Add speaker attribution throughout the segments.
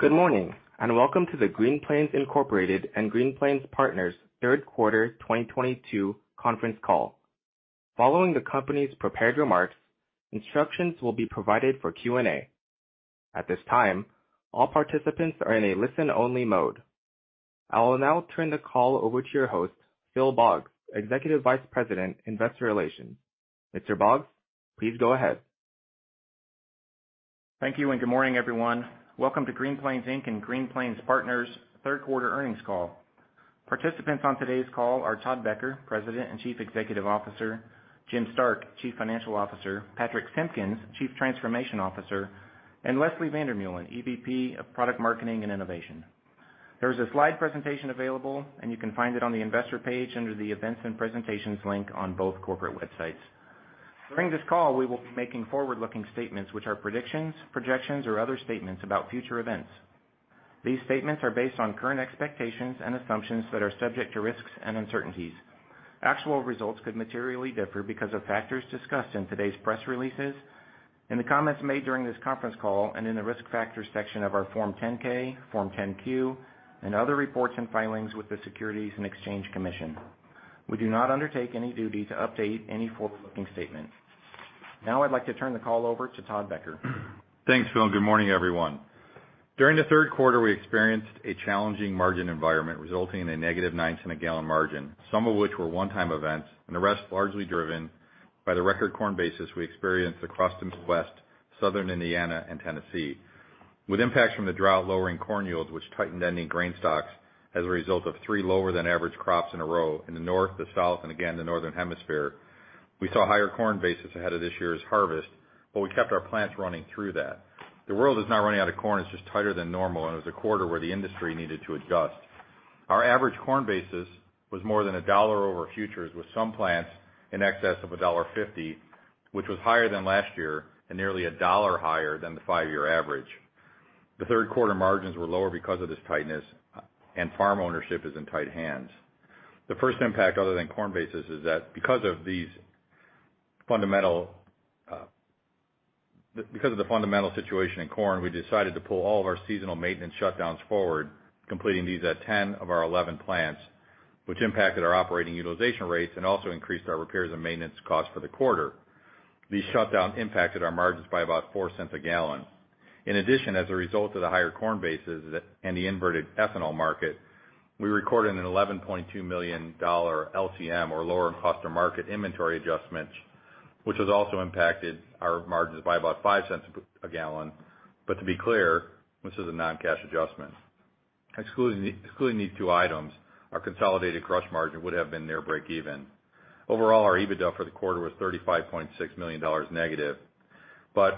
Speaker 1: Good morning, and welcome to the Green Plains Inc. and Green Plains Partners third quarter 2022 conference call. Following the company's prepared remarks, instructions will be provided for Q&A. At this time, all participants are in a listen-only mode. I will now turn the call over to your host, Phil Boggs, Executive Vice President, Investor Relations. Mr. Boggs, please go ahead.
Speaker 2: Thank you, and good morning, everyone. Welcome to Green Plains Inc. and Green Plains Partners' third quarter earnings call. Participants on today's call are Todd Becker, President and Chief Executive Officer, Jim Stark, Chief Financial Officer, Patrich Simpkins, Chief Transformation Officer, and Leslie van der Meulen, EVP of Product Marketing and Innovation. There is a slide presentation available, and you can find it on the investor page under the Events and Presentations link on both corporate websites. During this call, we will be making forward-looking statements, which are predictions, projections, or other statements about future events. These statements are based on current expectations and assumptions that are subject to risks and uncertainties. Actual results could materially differ because of factors discussed in today's press releases, in the comments made during this conference call, and in the Risk Factors section of our Form 10-K, Form 10-Q, and other reports and filings with the Securities and Exchange Commission. We do not undertake any duty to update any forward-looking statements. Now I'd like to turn the call over to Todd Becker.
Speaker 3: Thanks, Phil. Good morning, everyone. During the third quarter, we experienced a challenging margin environment resulting in a -$0.09 a gallon margin, some of which were one-time events, and the rest largely driven by the record corn basis we experienced across the Midwest, Southern Indiana, and Tennessee. With impacts from the drought lowering corn yields, which tightened ending grain stocks as a result of three lower-than-average crops in a row in the north, the south, and again, the northern hemisphere, we saw higher corn basis ahead of this year's harvest, but we kept our plants running through that. The world is not running out of corn, it's just tighter than normal, and it was a quarter where the industry needed to adjust. Our average corn basis was more than $1 over futures, with some plants in excess of $1.50, which was higher than last year and nearly $1 higher than the five-year average. Third quarter margins were lower because of this tightness, and farm ownership is in tight hands. First impact other than corn basis is that because of the fundamental situation in corn, we decided to pull all of our seasonal maintenance shutdowns forward, completing these at 10 of our 11 plants, which impacted our operating utilization rates and also increased our repairs and maintenance costs for the quarter. These shutdowns impacted our margins by about $0.04 a gallon. In addition, as a result of the higher corn basis and the inverted ethanol market, we recorded a $11.2 million LCM, or lower of cost or market inventory adjustments, which has also impacted our margins by about $0.05 a gallon. To be clear, this is a non-cash adjustment. Excluding these two items, our consolidated crush margin would have been near breakeven. Overall, our EBITDA for the quarter was -$35.6 million.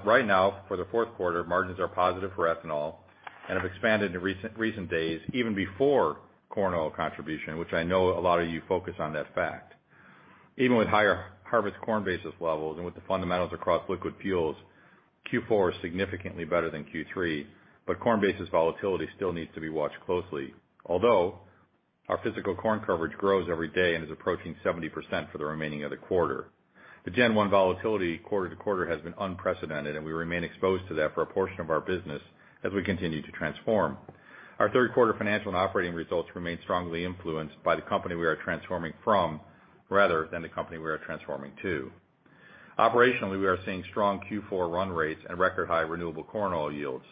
Speaker 3: Right now, for the fourth quarter, margins are positive for ethanol and have expanded in recent days even before corn oil contribution, which I know a lot of you focus on that fact. Even with higher harvest corn basis levels and with the fundamentals across liquid fuels, Q4 is significantly better than Q3, but corn basis volatility still needs to be watched closely. Although our physical corn coverage grows every day and is approaching 70% for the remaining of the quarter. The Gen 1 volatility quarter to quarter has been unprecedented, and we remain exposed to that for a portion of our business as we continue to transform. Our third quarter financial and operating results remain strongly influenced by the company we are transforming from, rather than the company we are transforming to. Operationally, we are seeing strong Q4 run rates and record-high renewable corn oil yields.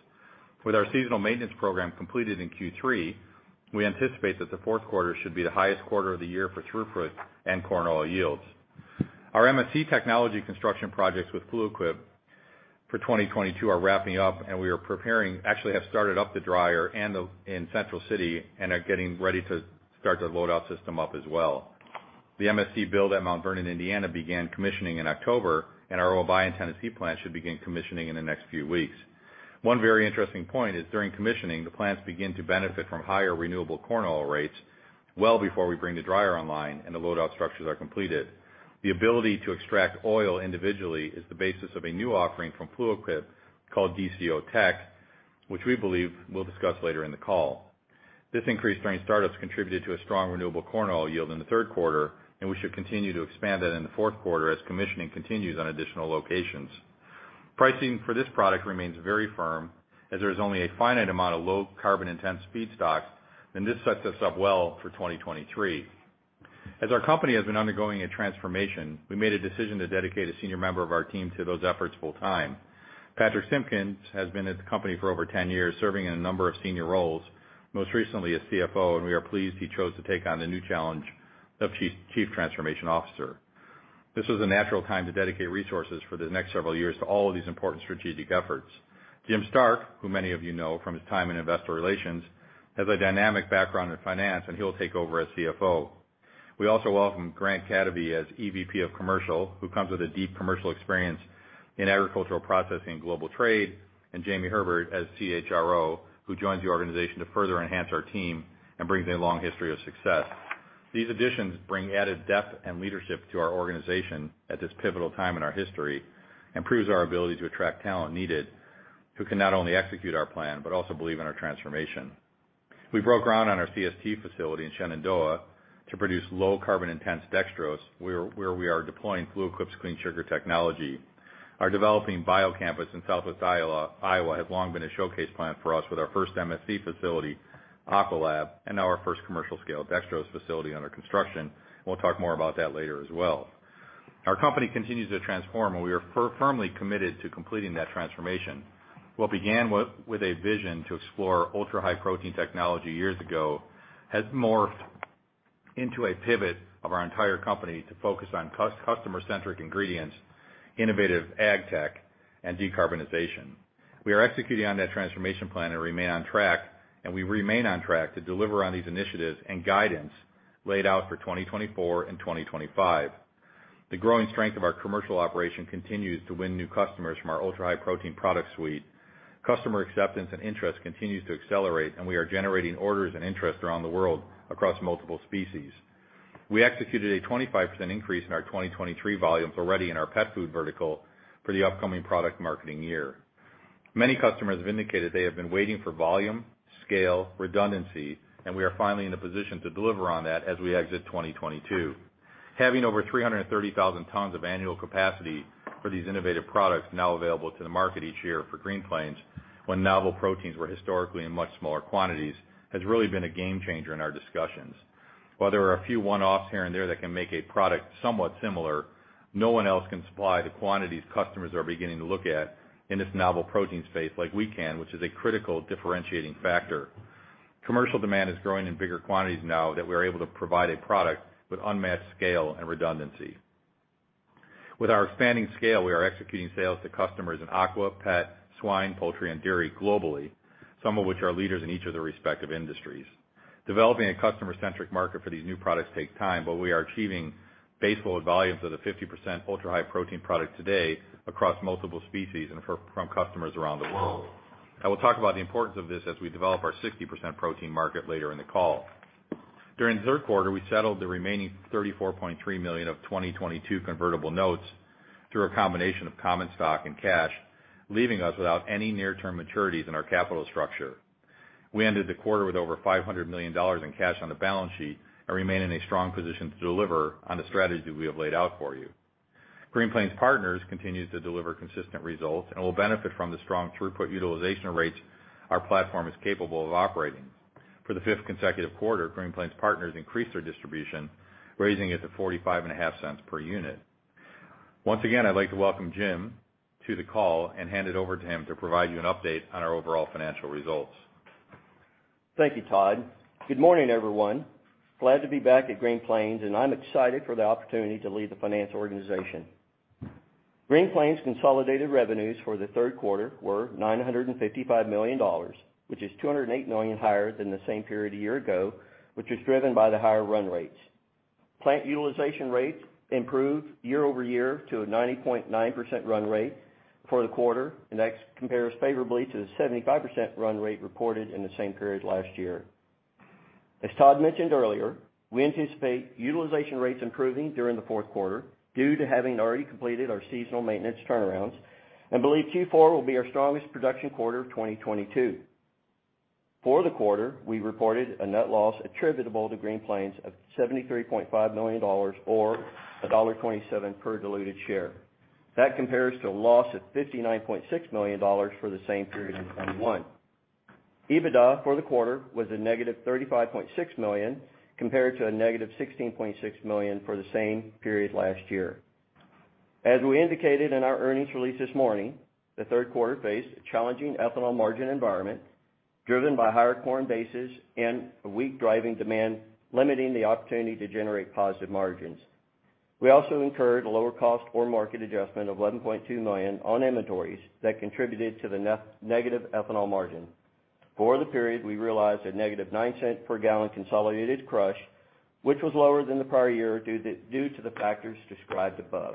Speaker 3: With our seasonal maintenance program completed in Q3, we anticipate that the fourth quarter should be the highest quarter of the year for throughput and corn oil yields. Our MSC technology construction projects with Fluid Quip for 2022 are wrapping up, and we are preparing, actually have started up the dryer and in Central City and are getting ready to start their load-out system up as well. The MSC build at Mount Vernon, Indiana began commissioning in October, and our Obion, Tennessee plant should begin commissioning in the next few weeks. One very interesting point is during commissioning, the plants begin to benefit from higher renewable corn oil rates well before we bring the dryer online and the load-out structures are completed. The ability to extract oil individually is the basis of a new offering from Fluid Quip called DCO Tech, which we believe we'll discuss later in the call. This increased during startups contributed to a strong renewable corn oil yield in the third quarter, and we should continue to expand that in the fourth quarter as commissioning continues on additional locations. Pricing for this product remains very firm as there is only a finite amount of low-carbon-intensity feedstock, and this sets us up well for 2023. Our company has been undergoing a transformation, we made a decision to dedicate a senior member of our team to those efforts full-time. Patrich Simpkins has been at the company for over 10 years, serving in a number of senior roles, most recently as CFO, and we are pleased he chose to take on the new challenge of Chief Transformation Officer. This was a natural time to dedicate resources for the next several years to all of these important strategic efforts. Jim Stark, who many of you know from his time in investor relations, has a dynamic background in finance, and he'll take over as CFO. We also welcome Grant Kadavy as EVP of Commercial, who comes with a deep commercial experience in agricultural processing and global trade, and Jamie Herbert as CHRO, who joins the organization to further enhance our team and brings a long history of success. These additions bring added depth and leadership to our organization at this pivotal time in our history and proves our ability to attract talent needed, who can not only execute our plan but also believe in our transformation. We broke ground on our CST facility in Shenandoah to produce low carbon-intensity dextrose, where we are deploying Fluid Quip's Clean Sugar Technology. Our developing bio campus in Southwest Iowa has long been a showcase plant for us with our first MSC facility, AquaLab, and now our first commercial scale Dextrose facility under construction. We'll talk more about that later as well. Our company continues to transform, and we are firmly committed to completing that transformation. What began with a vision to explore Ultra-High Protein technology years ago has morphed into a pivot of our entire company to focus on customer centric ingredients, innovative ag tech, and decarbonization. We are executing on that transformation plan and remain on track to deliver on these initiatives and guidance laid out for 2024 and 2025. The growing strength of our commercial operation continues to win new customers from our Ultra-High Protein product suite. Customer acceptance and interest continues to accelerate, and we are generating orders and interest around the world across multiple species. We executed a 25% increase in our 2023 volumes already in our pet food vertical for the upcoming product marketing year. Many customers have indicated they have been waiting for volume, scale, redundancy, and we are finally in the position to deliver on that as we exit 2022. Having over 330,000 tons of annual capacity for these innovative products now available to the market each year for Green Plains when novel proteins were historically in much smaller quantities, has really been a game changer in our discussions. While there are a few one-offs here and there that can make a product somewhat similar, no one else can supply the quantities customers are beginning to look at in this novel protein space like we can, which is a critical differentiating factor. Commercial demand is growing in bigger quantities now that we are able to provide a product with unmatched scale and redundancy. With our expanding scale, we are executing sales to customers in aqua, pet, swine, poultry, and dairy globally, some of which are leaders in each of their respective industries. Developing a customer-centric market for these new products takes time, but we are achieving base load volumes of the 50% Ultra-High Protein product today across multiple species and from customers around the world. I will talk about the importance of this as we develop our 60% protein market later in the call. During the third quarter, we settled the remaining $34.3 million of 2022 convertible notes through a combination of common stock and cash, leaving us without any near-term maturities in our capital structure. We ended the quarter with over $500 million in cash on the balance sheet and remain in a strong position to deliver on the strategy we have laid out for you. Green Plains Partners continues to deliver consistent results and will benefit from the strong throughput utilization rates our platform is capable of operating. For the fifth consecutive quarter, Green Plains Partners increased their distribution, raising it to $0.455 per unit. Once again, I'd like to welcome Jim to the call and hand it over to him to provide you an update on our overall financial results.
Speaker 4: Thank you, Todd. Good morning, everyone. Glad to be back at Green Plains, and I'm excited for the opportunity to lead the finance organization. Green Plains' consolidated revenues for the third quarter were $955 million, which is $208 million higher than the same period a year ago, which was driven by the higher run rates. Plant utilization rates improved year-over-year to a 90.9% run rate for the quarter, and that compares favorably to the 75% run rate reported in the same period last year. As Todd mentioned earlier, we anticipate utilization rates improving during the fourth quarter due to having already completed our seasonal maintenance turnarounds and believe Q4 will be our strongest production quarter of 2022. For the quarter, we reported a net loss attributable to Green Plains of $73.5 million or $1.27 per diluted share. That compares to a loss of $59.6 million for the same period in 2021. EBITDA for the quarter was a negative $35.6 million, compared to a negative $16.6 million for the same period last year. As we indicated in our earnings release this morning, the third quarter faced a challenging ethanol margin environment driven by higher corn bases and a weak driving demand, limiting the opportunity to generate positive margins. We also incurred a lower of cost or market adjustment of $11.2 million on inventories that contributed to the negative ethanol margin. For the period, we realized a -$0.09 per gallon consolidated crush, which was lower than the prior year due to the factors described above.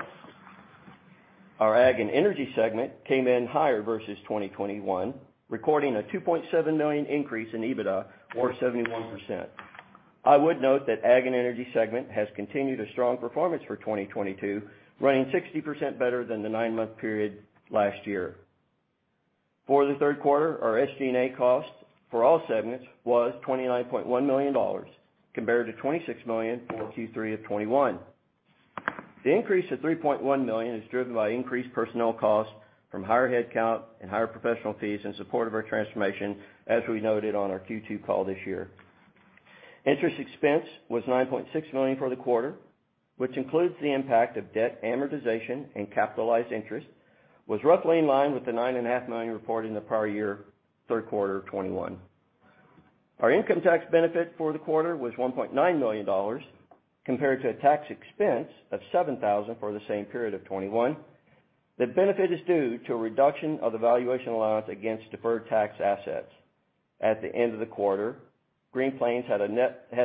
Speaker 4: Our Ag and Energy segment came in higher versus 2021, recording a $2.7 million increase in EBITDA or 71%. I would note that Ag and Energy segment has continued a strong performance for 2022, running 60% better than the nine-month period last year. For the third quarter, our SG&A cost for all segments was $29.1 million, compared to $26 million for Q3 of 2021. The increase of $3.1 million is driven by increased personnel costs from higher headcount and higher professional fees in support of our transformation, as we noted on our Q2 call this year. Interest expense was $9.6 million for the quarter, which includes the impact of debt amortization and capitalized interest, was roughly in line with the $9.5 million reported in the prior-year third quarter of 2021. Our income tax benefit for the quarter was $1.9 million, compared to a tax expense of $7,000 for the same period of 2021. The benefit is due to a reduction of the valuation allowance against deferred tax assets. At the end of the quarter, Green Plains had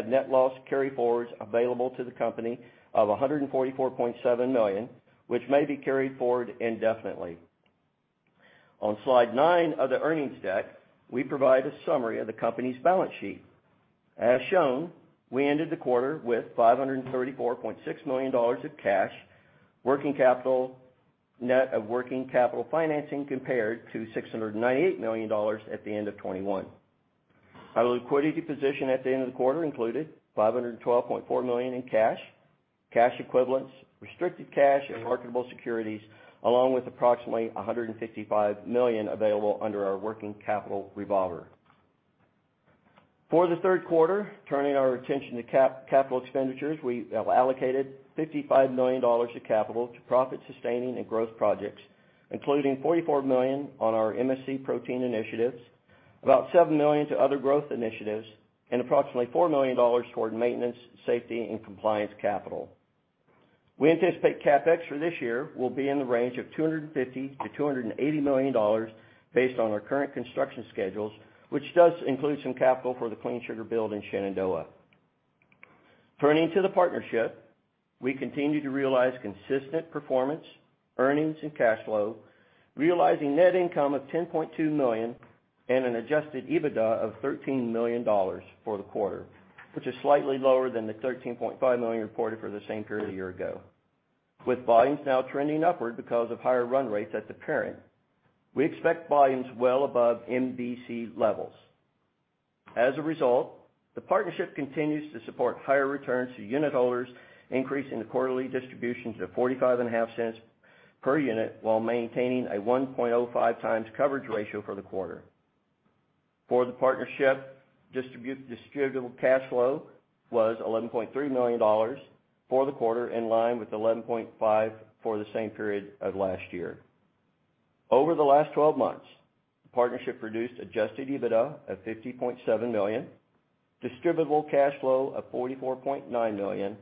Speaker 4: net loss carryforwards available to the company of $144.7 million, which may be carried forward indefinitely. On slide nine of the earnings deck, we provide a summary of the company's balance sheet. As shown, we ended the quarter with $534.6 million of cash, working capital, net of working capital financing compared to $698 million at the end of 2021. Our liquidity position at the end of the quarter included $512.4 million in cash equivalents, restricted cash, and marketable securities, along with approximately $155 million available under our working capital revolver. For the third quarter, turning our attention to capital expenditures, we have allocated $55 million of capital to profit sustaining and growth projects, including $44 million on our MSC protein initiatives, about $7 million to other growth initiatives, and approximately $4 million toward maintenance, safety, and compliance capital. We anticipate CapEx for this year will be in the range of $250 million-$280 million based on our current construction schedules, which does include some capital for the Clean Sugar build in Shenandoah. Turning to the partnership, we continue to realize consistent performance, earnings, and cash flow, realizing net income of $10.2 million and an adjusted EBITDA of $13 million for the quarter, which is slightly lower than the $13.5 million reported for the same period a year ago. With volumes now trending upward because of higher run rates at the parent, we expect volumes well above MVC levels. As a result, the partnership continues to support higher returns to unit holders, increasing the quarterly distributions of $0.455 per unit while maintaining a 1.05x coverage ratio for the quarter. For the partnership, distributable cash flow was $11.3 million for the quarter, in line with $11.5 million for the same period of last year. Over the last 12 months, the partnership produced adjusted EBITDA of $50.7 million, distributable cash flow of $44.9 million,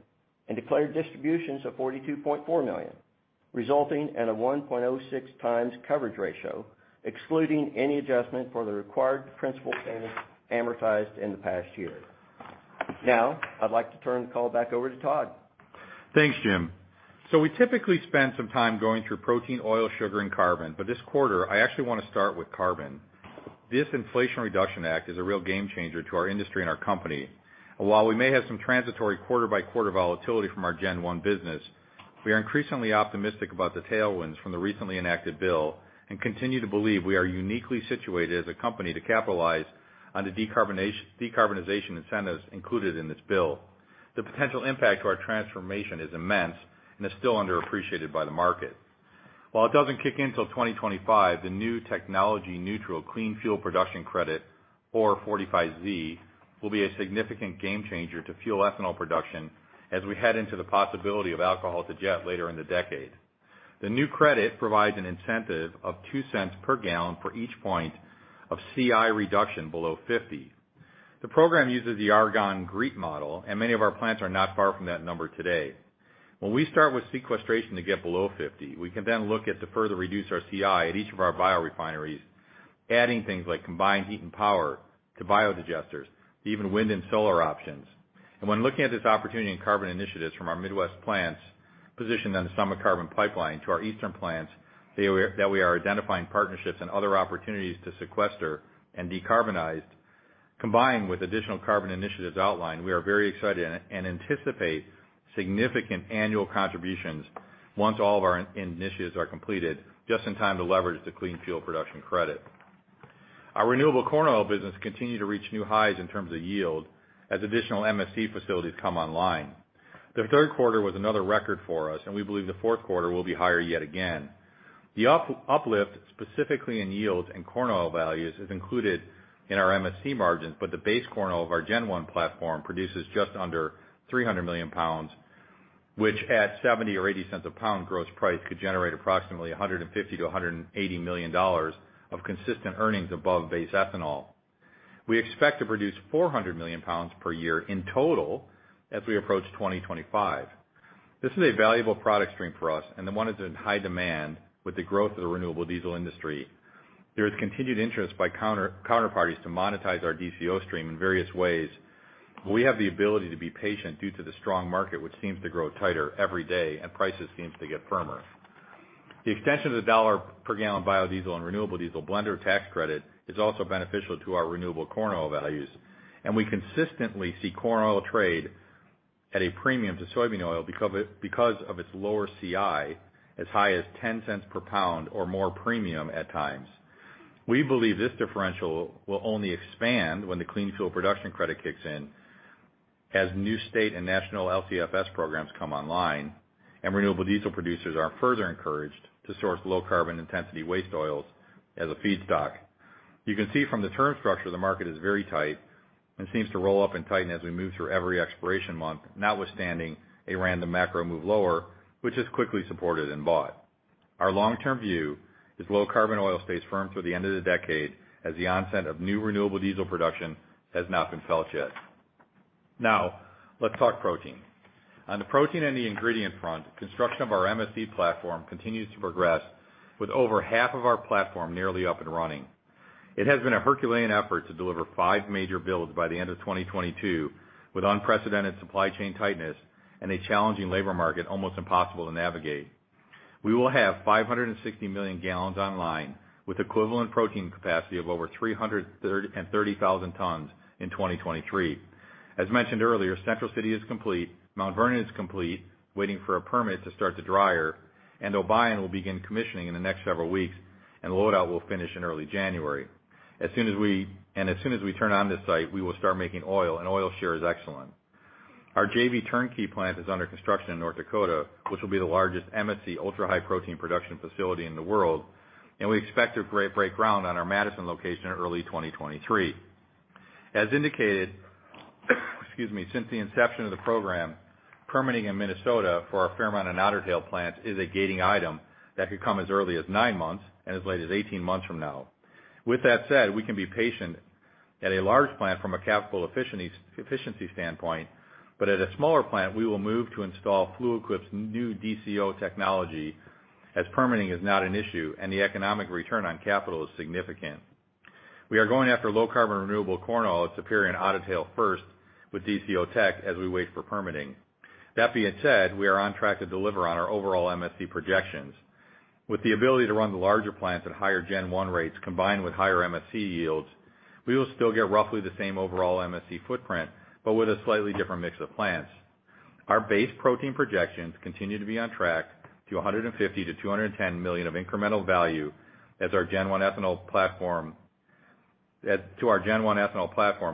Speaker 4: and declared distributions of $42.4 million, resulting in a 1.06x coverage ratio, excluding any adjustment for the required principal payments amortized in the past year. Now, I'd like to turn the call back over to Todd.
Speaker 3: Thanks, Jim. We typically spend some time going through protein, oil, sugar, and carbon, but this quarter, I actually wanna start with carbon. This Inflation Reduction Act is a real game changer to our industry and our company. While we may have some transitory quarter-by-quarter volatility from our Gen 1 business, we are increasingly optimistic about the tailwinds from the recently enacted bill, and continue to believe we are uniquely situated as a company to capitalize on the decarbonization incentives included in this bill. The potential impact to our transformation is immense, and is still underappreciated by the market. While it doesn't kick in till 2025, the new technology neutral clean fuel production credit, or 45Z, will be a significant game changer to fuel ethanol production as we head into the possibility of Alcohol-to-Jet later in the decade. The new credit provides an incentive of $0.02 per gallon for each point of CI reduction below 50. The program uses the Argonne GREET model, and many of our plants are not far from that number today. When we start with sequestration to get below 50, we can then look at to further reduce our CI at each of our biorefineries, adding things like combined heat and power to biodigesters, even wind and solar options. When looking at this opportunity in carbon initiatives from our Midwest plants positioned on the Midwest Carbon Express to our eastern plants that we are identifying partnerships and other opportunities to sequester and decarbonize, combined with additional carbon initiatives outlined, we are very excited and anticipate significant annual contributions once all of our initiatives are completed, just in time to leverage the clean fuel production credit. Our renewable corn oil business continue to reach new highs in terms of yield as additional MSC facilities come online. The third quarter was another record for us, and we believe the fourth quarter will be higher yet again. The uplift, specifically in yields and corn oil values, is included in our MSC margins, but the base corn oil of our Gen One platform produces just under 300 million lbs, which at $0.70 or $0.80 a lb gross price could generate approximately $150 million-$180 million of consistent earnings above base ethanol. We expect to produce 400 million lbs per year in total as we approach 2025. This is a valuable product stream for us, and one that's in high demand with the growth of the renewable diesel industry. There is continued interest by counterparties to monetize our DCO stream in various ways, but we have the ability to be patient due to the strong market, which seems to grow tighter every day, and prices seem to get firmer. The extension of the $1 per gallon biodiesel and renewable diesel blender tax credit is also beneficial to our renewable corn oil values, and we consistently see corn oil trade at a premium to soybean oil because of its lower CI as high as $0.10 per pound or more premium at times. We believe this differential will only expand when the clean fuel production credit kicks in as new state and national LCFS programs come online, and renewable diesel producers are further encouraged to source low carbon intensity waste oils as a feedstock. You can see from the term structure, the market is very tight and seems to roll up and tighten as we move through every expiration month, notwithstanding a random macro move lower, which is quickly supported and bought. Our long-term view is low carbon oil stays firm through the end of the decade as the onset of new renewable diesel production has not been felt yet. Now, let's talk protein. On the protein and the ingredient front, construction of our MSC platform continues to progress with over half of our platform nearly up and running. It has been a Herculean effort to deliver five major builds by the end of 2022 with unprecedented supply chain tightness and a challenging labor market almost impossible to navigate. We will have 560 million gallons online with equivalent protein capacity of over 330,000 tons in 2023. As mentioned earlier, Central City is complete, Mount Vernon is complete, waiting for a permit to start the dryer, and Obion will begin commissioning in the next several weeks, and load-out will finish in early January. As soon as we turn on this site, we will start making oil, and oil share is excellent. Our JV turnkey plant is under construction in North Dakota, which will be the largest MSC Ultra-High Protein production facility in the world, and we expect to break ground on our Madison location in early 2023. As indicated, excuse me, since the inception of the program, permitting in Minnesota for our Fairmont and Otter Tail plants is a gating item that could come as early as nine months and as late as 18 months from now. With that said, we can be patient at a large plant from a capital efficiency standpoint, but at a smaller plant, we will move to install Fluid Quip's new DCO technology as permitting is not an issue and the economic return on capital is significant. We are going after low-carbon renewable corn oil at Superior and Otter Tail first with DCO tech as we wait for permitting. That being said, we are on track to deliver on our overall MSC projections. With the ability to run the larger plants at higher Gen 1 rates combined with higher MSC yields, we will still get roughly the same overall MSC footprint, but with a slightly different mix of plants. Our base protein projections continue to be on track to $150 million-$210 million of incremental value to our Gen 1 ethanol platform,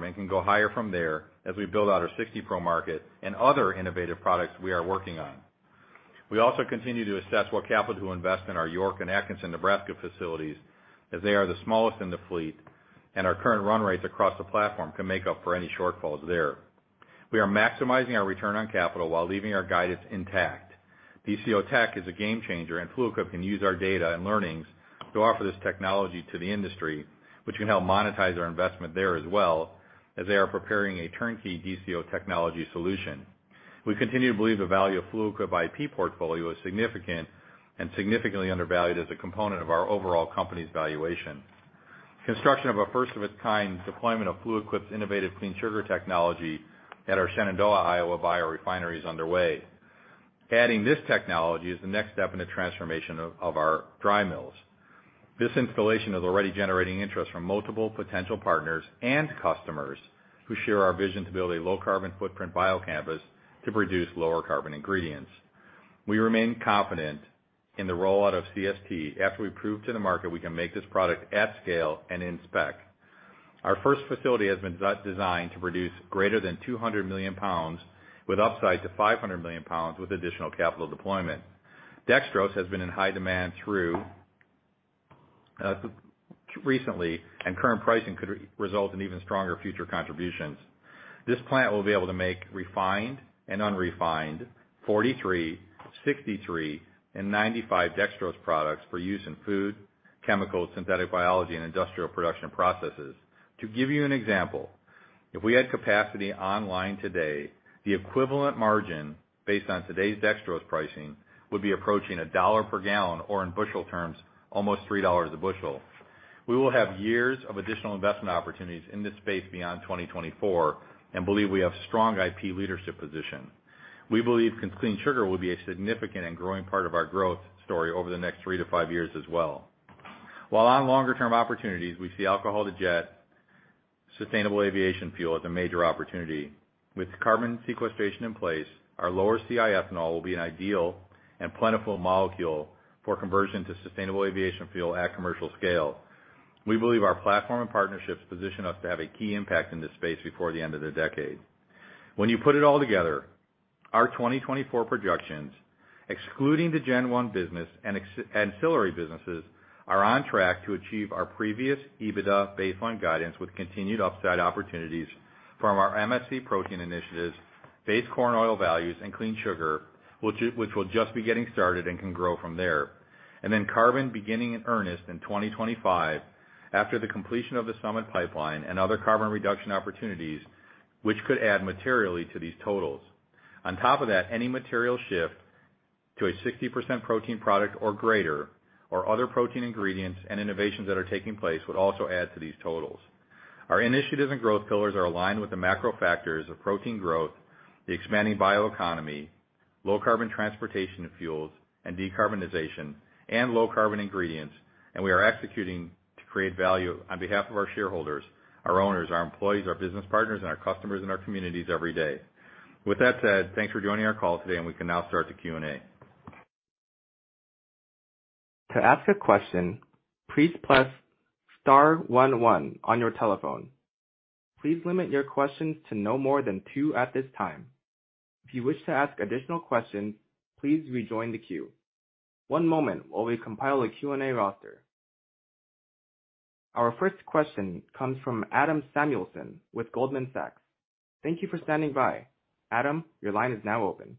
Speaker 3: and can go higher from there as we build out our 60 Pro market and other innovative products we are working on. We also continue to assess what capital to invest in our York and Atkinson, Nebraska facilities, as they are the smallest in the fleet, and our current run rates across the platform can make up for any shortfalls there. We are maximizing our return on capital while leaving our guidance intact. DCO Tech is a game changer, and Fluid Quip can use our data and learnings to offer this technology to the industry, which can help monetize our investment there as well as they are preparing a turnkey DCO technology solution. We continue to believe the value of Fluid Quip IP portfolio is significant and significantly undervalued as a component of our overall company's valuation. Construction of a first of its kind deployment of Fluid Quip's innovative Clean Sugar Technology at our Shenandoah, Iowa biorefinery is underway. Adding this technology is the next step in the transformation of our dry mills. This installation is already generating interest from multiple potential partners and customers who share our vision to build a low carbon footprint biocampus to produce lower carbon ingredients. We remain confident in the rollout of CST after we prove to the market we can make this product at scale and in spec. Our first facility has been designed to produce greater than 200 million pounds with upside to 500 million pounds with additional capital deployment. Dextrose has been in high demand through recently, and current pricing could result in even stronger future contributions. This plant will be able to make refined and unrefined 43 dextrose products, 63 dextrose products, and 95 dextrose products for use in food, chemicals, synthetic biology, and industrial production processes. To give you an example, if we had capacity online today, the equivalent margin based on today's dextrose pricing would be approaching $1 per gallon, or in bushel terms, almost $3 a bushel. We will have years of additional investment opportunities in this space beyond 2024 and believe we have strong IP leadership position. We believe Clean Sugar will be a significant and growing part of our growth story over the next three to five years as well. While on longer term opportunities, we see Alcohol-to-Jet Sustainable Aviation Fuel as a major opportunity. With carbon sequestration in place, our lower CI ethanol will be an ideal and plentiful molecule for conversion to Sustainable Aviation Fuel at commercial scale. We believe our platform and partnerships position us to have a key impact in this space before the end of the decade. When you put it all together, our 2024 projections, excluding the Gen 1 business and ex-ancillary businesses, are on track to achieve our previous EBITDA baseline guidance with continued upside opportunities from our MSC protein initiatives, base corn oil values and Clean Sugar, which will just be getting started and can grow from there. Carbon beginning in earnest in 2025 after the completion of the Summit pipeline and other carbon reduction opportunities which could add materially to these totals. On top of that, any material shift to a 60% protein product or greater or other protein ingredients and innovations that are taking place would also add to these totals. Our initiatives and growth pillars are aligned with the macro factors of protein growth, the expanding bioeconomy, low carbon transportation fuels, and decarbonization and low carbon ingredients, and we are executing to create value on behalf of our shareholders, our owners, our employees, our business partners, and our customers and our communities every day. With that said, thanks for joining our call today, and we can now start the Q&A.
Speaker 1: To ask a question, please press star one one on your telephone. Please limit your questions to no more than two at this time. If you wish to ask additional questions, please rejoin the queue. One moment while we compile a Q&A roster. Our first question comes from Adam Samuelson with Goldman Sachs. Thank you for standing by. Adam, your line is now open.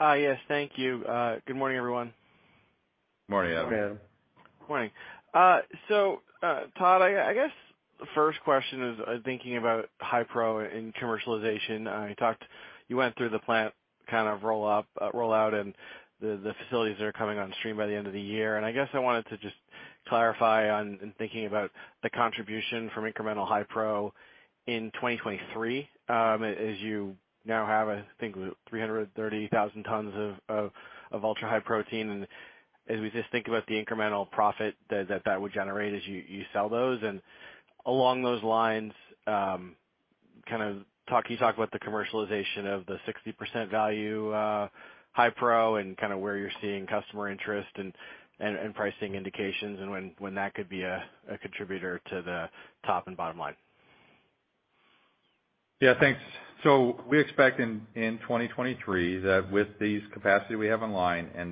Speaker 5: Yes, thank you. Good morning, everyone.
Speaker 3: Morning, Adam.
Speaker 4: Morning, Adam.
Speaker 5: Morning. Todd, I guess the first question is thinking about high protein commercialization. You went through the plant kind of roll up, roll out and the facilities that are coming on stream by the end of the year. I guess I wanted to just clarify, in thinking about the contribution from incremental high protein in 2023, as you now have, I think, 330,000 tons of ultra-high protein and as we just think about the incremental profit that would generate as you sell those. Along those lines, can you talk about the commercialization of the 60% value high protein and kind of where you're seeing customer interest and pricing indications and when that could be a contributor to the top and bottom line?
Speaker 3: Yeah, thanks. We expect in 2023 that with these capacity we have online at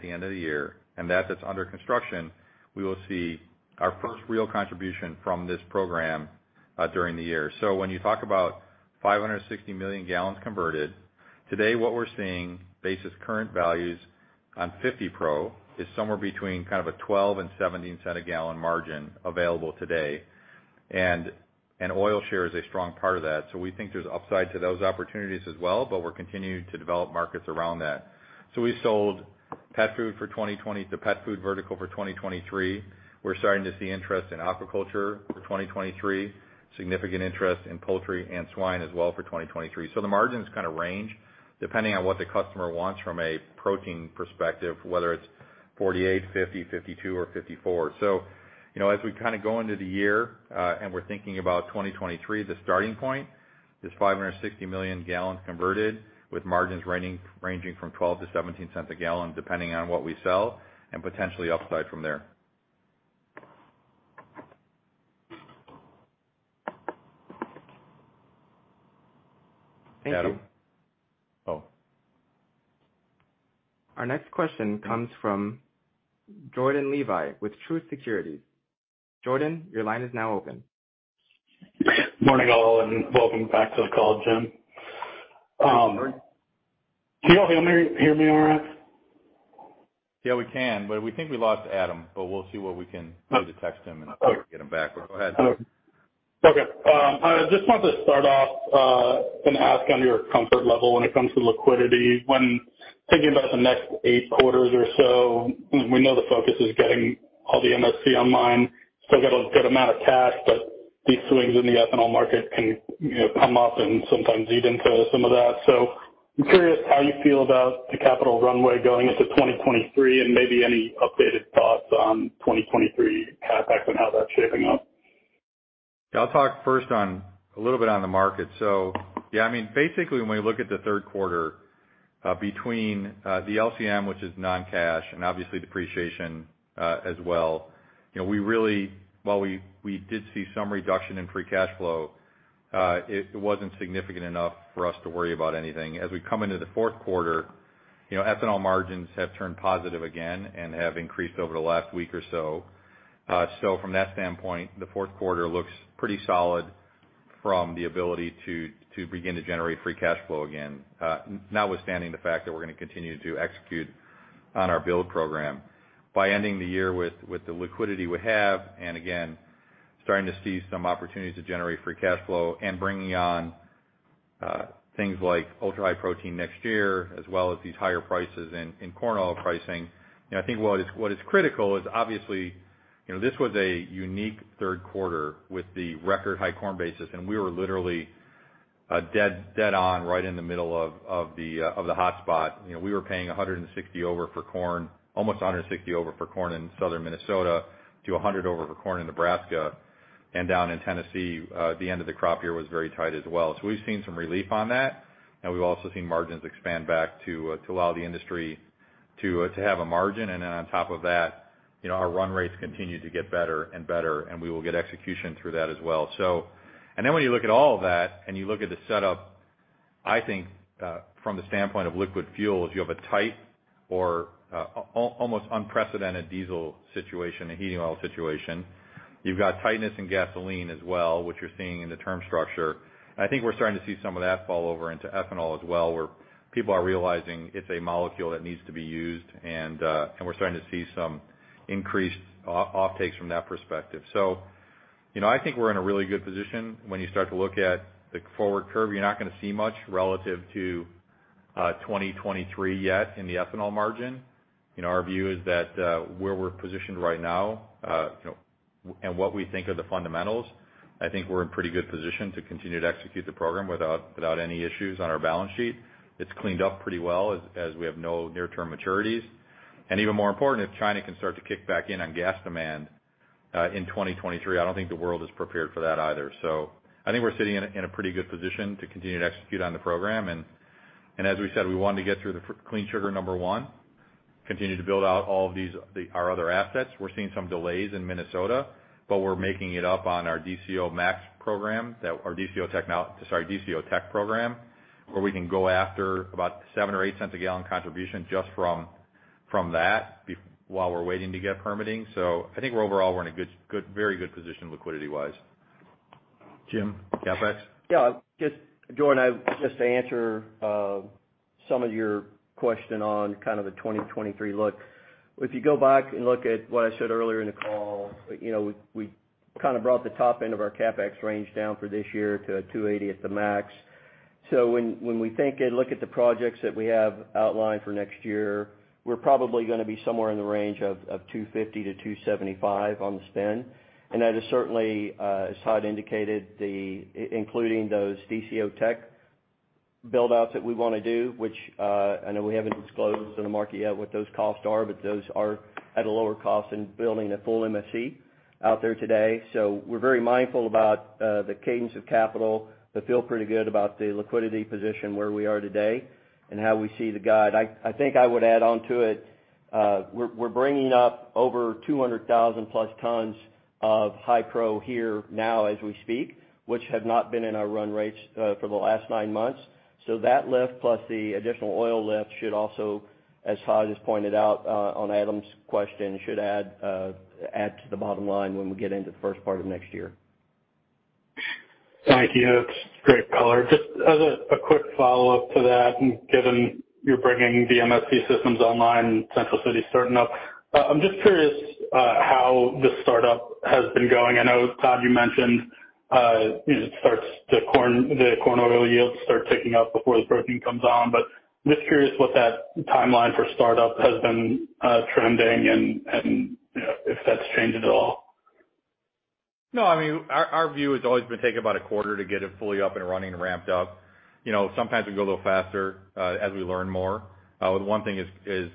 Speaker 3: the end of the year, and that's under construction, we will see our first real contribution from this program during the year. When you talk about 560 million gallons converted, today what we're seeing based on current values on 50 pro is somewhere between kind of a $0.12-$0.17 a gallon margin available today. And oil share is a strong part of that. We think there's upside to those opportunities as well, but we're continuing to develop markets around that. We sold pet food the pet food vertical for 2023. We're starting to see interest in aquaculture for 2023. Significant interest in poultry and swine as well for 2023. The margins kinda range depending on what the customer wants from a protein perspective, whether it's 48, 50, 52, or 54. You know, as we kinda go into the year and we're thinking about 2023, the starting point is 560 million gallons converted with margins ranging from $0.12 a gallon-$0.17 a gallon, depending on what we sell, and potential upside from there.
Speaker 5: Thank you.
Speaker 3: Adam? Oh.
Speaker 1: Our next question comes from Jordan Levy with Truist Securities. Jordan, your line is now open.
Speaker 6: Morning all, and welcome back to the call, Jim. Can you all hear me all right?
Speaker 3: Yeah, we can, but we think we lost Adam, but we'll see what we can do to text him and get him back. Go ahead.
Speaker 6: Okay. I just wanted to start off and ask on your comfort level when it comes to liquidity. When thinking about the next eight quarters or so, we know the focus is getting all the MSC online. Still got a good amount of cash, but these swings in the ethanol market can, you know, come up and sometimes eat into some of that. I'm curious how you feel about the capital runway going into 2023 and maybe any updated thoughts on 2023 CapEx and how that's shaping up.
Speaker 3: I'll talk first on a little bit on the market. Yeah, I mean, basically, when we look at the third quarter, between the LCM, which is non-cash, and obviously depreciation, as well, you know, while we did see some reduction in free cash flow, it wasn't significant enough for us to worry about anything. As we come into the fourth quarter, you know, ethanol margins have turned positive again and have increased over the last week or so. From that standpoint, the fourth quarter looks pretty solid from the ability to begin to generate free cash flow again, notwithstanding the fact that we're gonna continue to execute on our build program. By ending the year with the liquidity we have, and again, starting to see some opportunities to generate free cash flow and bringing on things like Ultra-High Protein next year as well as these higher prices in corn oil pricing. You know, I think what is critical is obviously, you know, this was a unique third quarter with the record high corn basis, and we were literally dead on right in the middle of the hotspot. You know, we were paying 160 over for corn, almost 160 over for corn in Southern Minnesota to 100 over for corn in Nebraska. Down in Tennessee, the end of the crop year was very tight as well. We've seen some relief on that, and we've also seen margins expand back to allow the industry to have a margin. On top of that, our run rates continue to get better and better, and we will get execution through that as well. When you look at all of that and you look at the setup, I think, from the standpoint of liquid fuels, you have a tight or almost unprecedented diesel situation, a heating oil situation. You've got tightness in gasoline as well, which you're seeing in the term structure. I think we're starting to see some of that fall over into ethanol as well, where people are realizing it's a molecule that needs to be used, and we're starting to see some increased offtakes from that perspective. You know, I think we're in a really good position. When you start to look at the forward curve, you're not gonna see much relative to 2023 yet in the ethanol margin. You know, our view is that where we're positioned right now, you know, and what we think are the fundamentals, I think we're in pretty good position to continue to execute the program without any issues on our balance sheet. It's cleaned up pretty well as we have no near-term maturities. Even more important, if China can start to kick back in on gas demand in 2023, I don't think the world is prepared for that either. I think we're sitting in a pretty good position to continue to execute on the program. As we said, we wanted to get through the first clean sugar number one, continue to build out all of these our other assets. We're seeing some delays in Minnesota, but we're making it up on our DCO Tech program, where we can go after about $0.07/gallon or $0.08/gallon contribution just from that while we're waiting to get permitting. I think we're overall in a good, very good position liquidity-wise. Jim, CapEx?
Speaker 4: Yeah. Just, Jordan, I just wanted to answer some of your questions on kind of the 2023 look. If you go back and look at what I said earlier in the call, you know, we kinda brought the top end of our CapEx range down for this year to $280 at the max. So when we think and look at the projects that we have outlined for next year, we're probably gonna be somewhere in the range of $250-$275 on the spend. That is certainly, as Todd indicated, including those DCO Tech buildouts that we wanna do, which I know we haven't disclosed to the market yet what those costs are, but those are at a lower cost than building a full MSC out there today. We're very mindful about the cadence of capital, but feel pretty good about the liquidity position where we are today and how we see the guide. I think I would add on to it. We're bringing up over 200,000+ tons of high pro here now as we speak, which have not been in our run rates for the last nine months. That lift plus the additional oil lift should also, as Todd just pointed out on Adam's question, add to the bottom line when we get into the first part of next year.
Speaker 6: Thank you. That's great color. Just as a quick follow-up to that, and given you're bringing the MSC systems online, Central City starting up, I'm just curious how the startup has been going. I know, Todd, you mentioned, you know, the corn oil yields start ticking up before the protein comes on. But just curious what that timeline for startup has been trending and, you know, if that's changed at all.
Speaker 3: No, I mean, our view has always been take about a quarter to get it fully up and running and ramped up. You know, sometimes we go a little faster, as we learn more. One thing is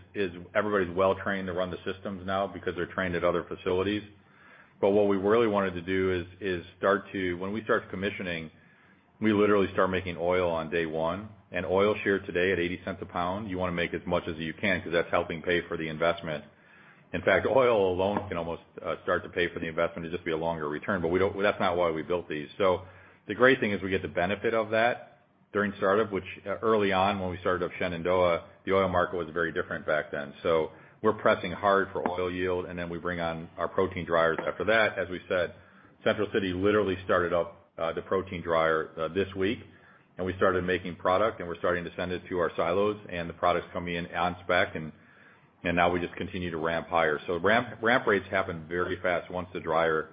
Speaker 3: everybody's well trained to run the systems now because they're trained at other facilities. What we really wanted to do is when we start commissioning, we literally start making oil on day one. Oil share today at $0.80 a pound, you wanna make as much as you can because that's helping pay for the investment. In fact, oil alone can almost start to pay for the investment. It'd just be a longer return. That's not why we built these. The great thing is we get the benefit of that during startup, which early on when we started up Shenandoah, the oil market was very different back then. We're pressing hard for oil yield, and then we bring on our protein dryers after that. As we said, Central City literally started up the protein dryer this week, and we started making product, and we're starting to send it to our silos, and the product's coming in on spec. Now we just continue to ramp higher. Ramp rates happen very fast once the dryer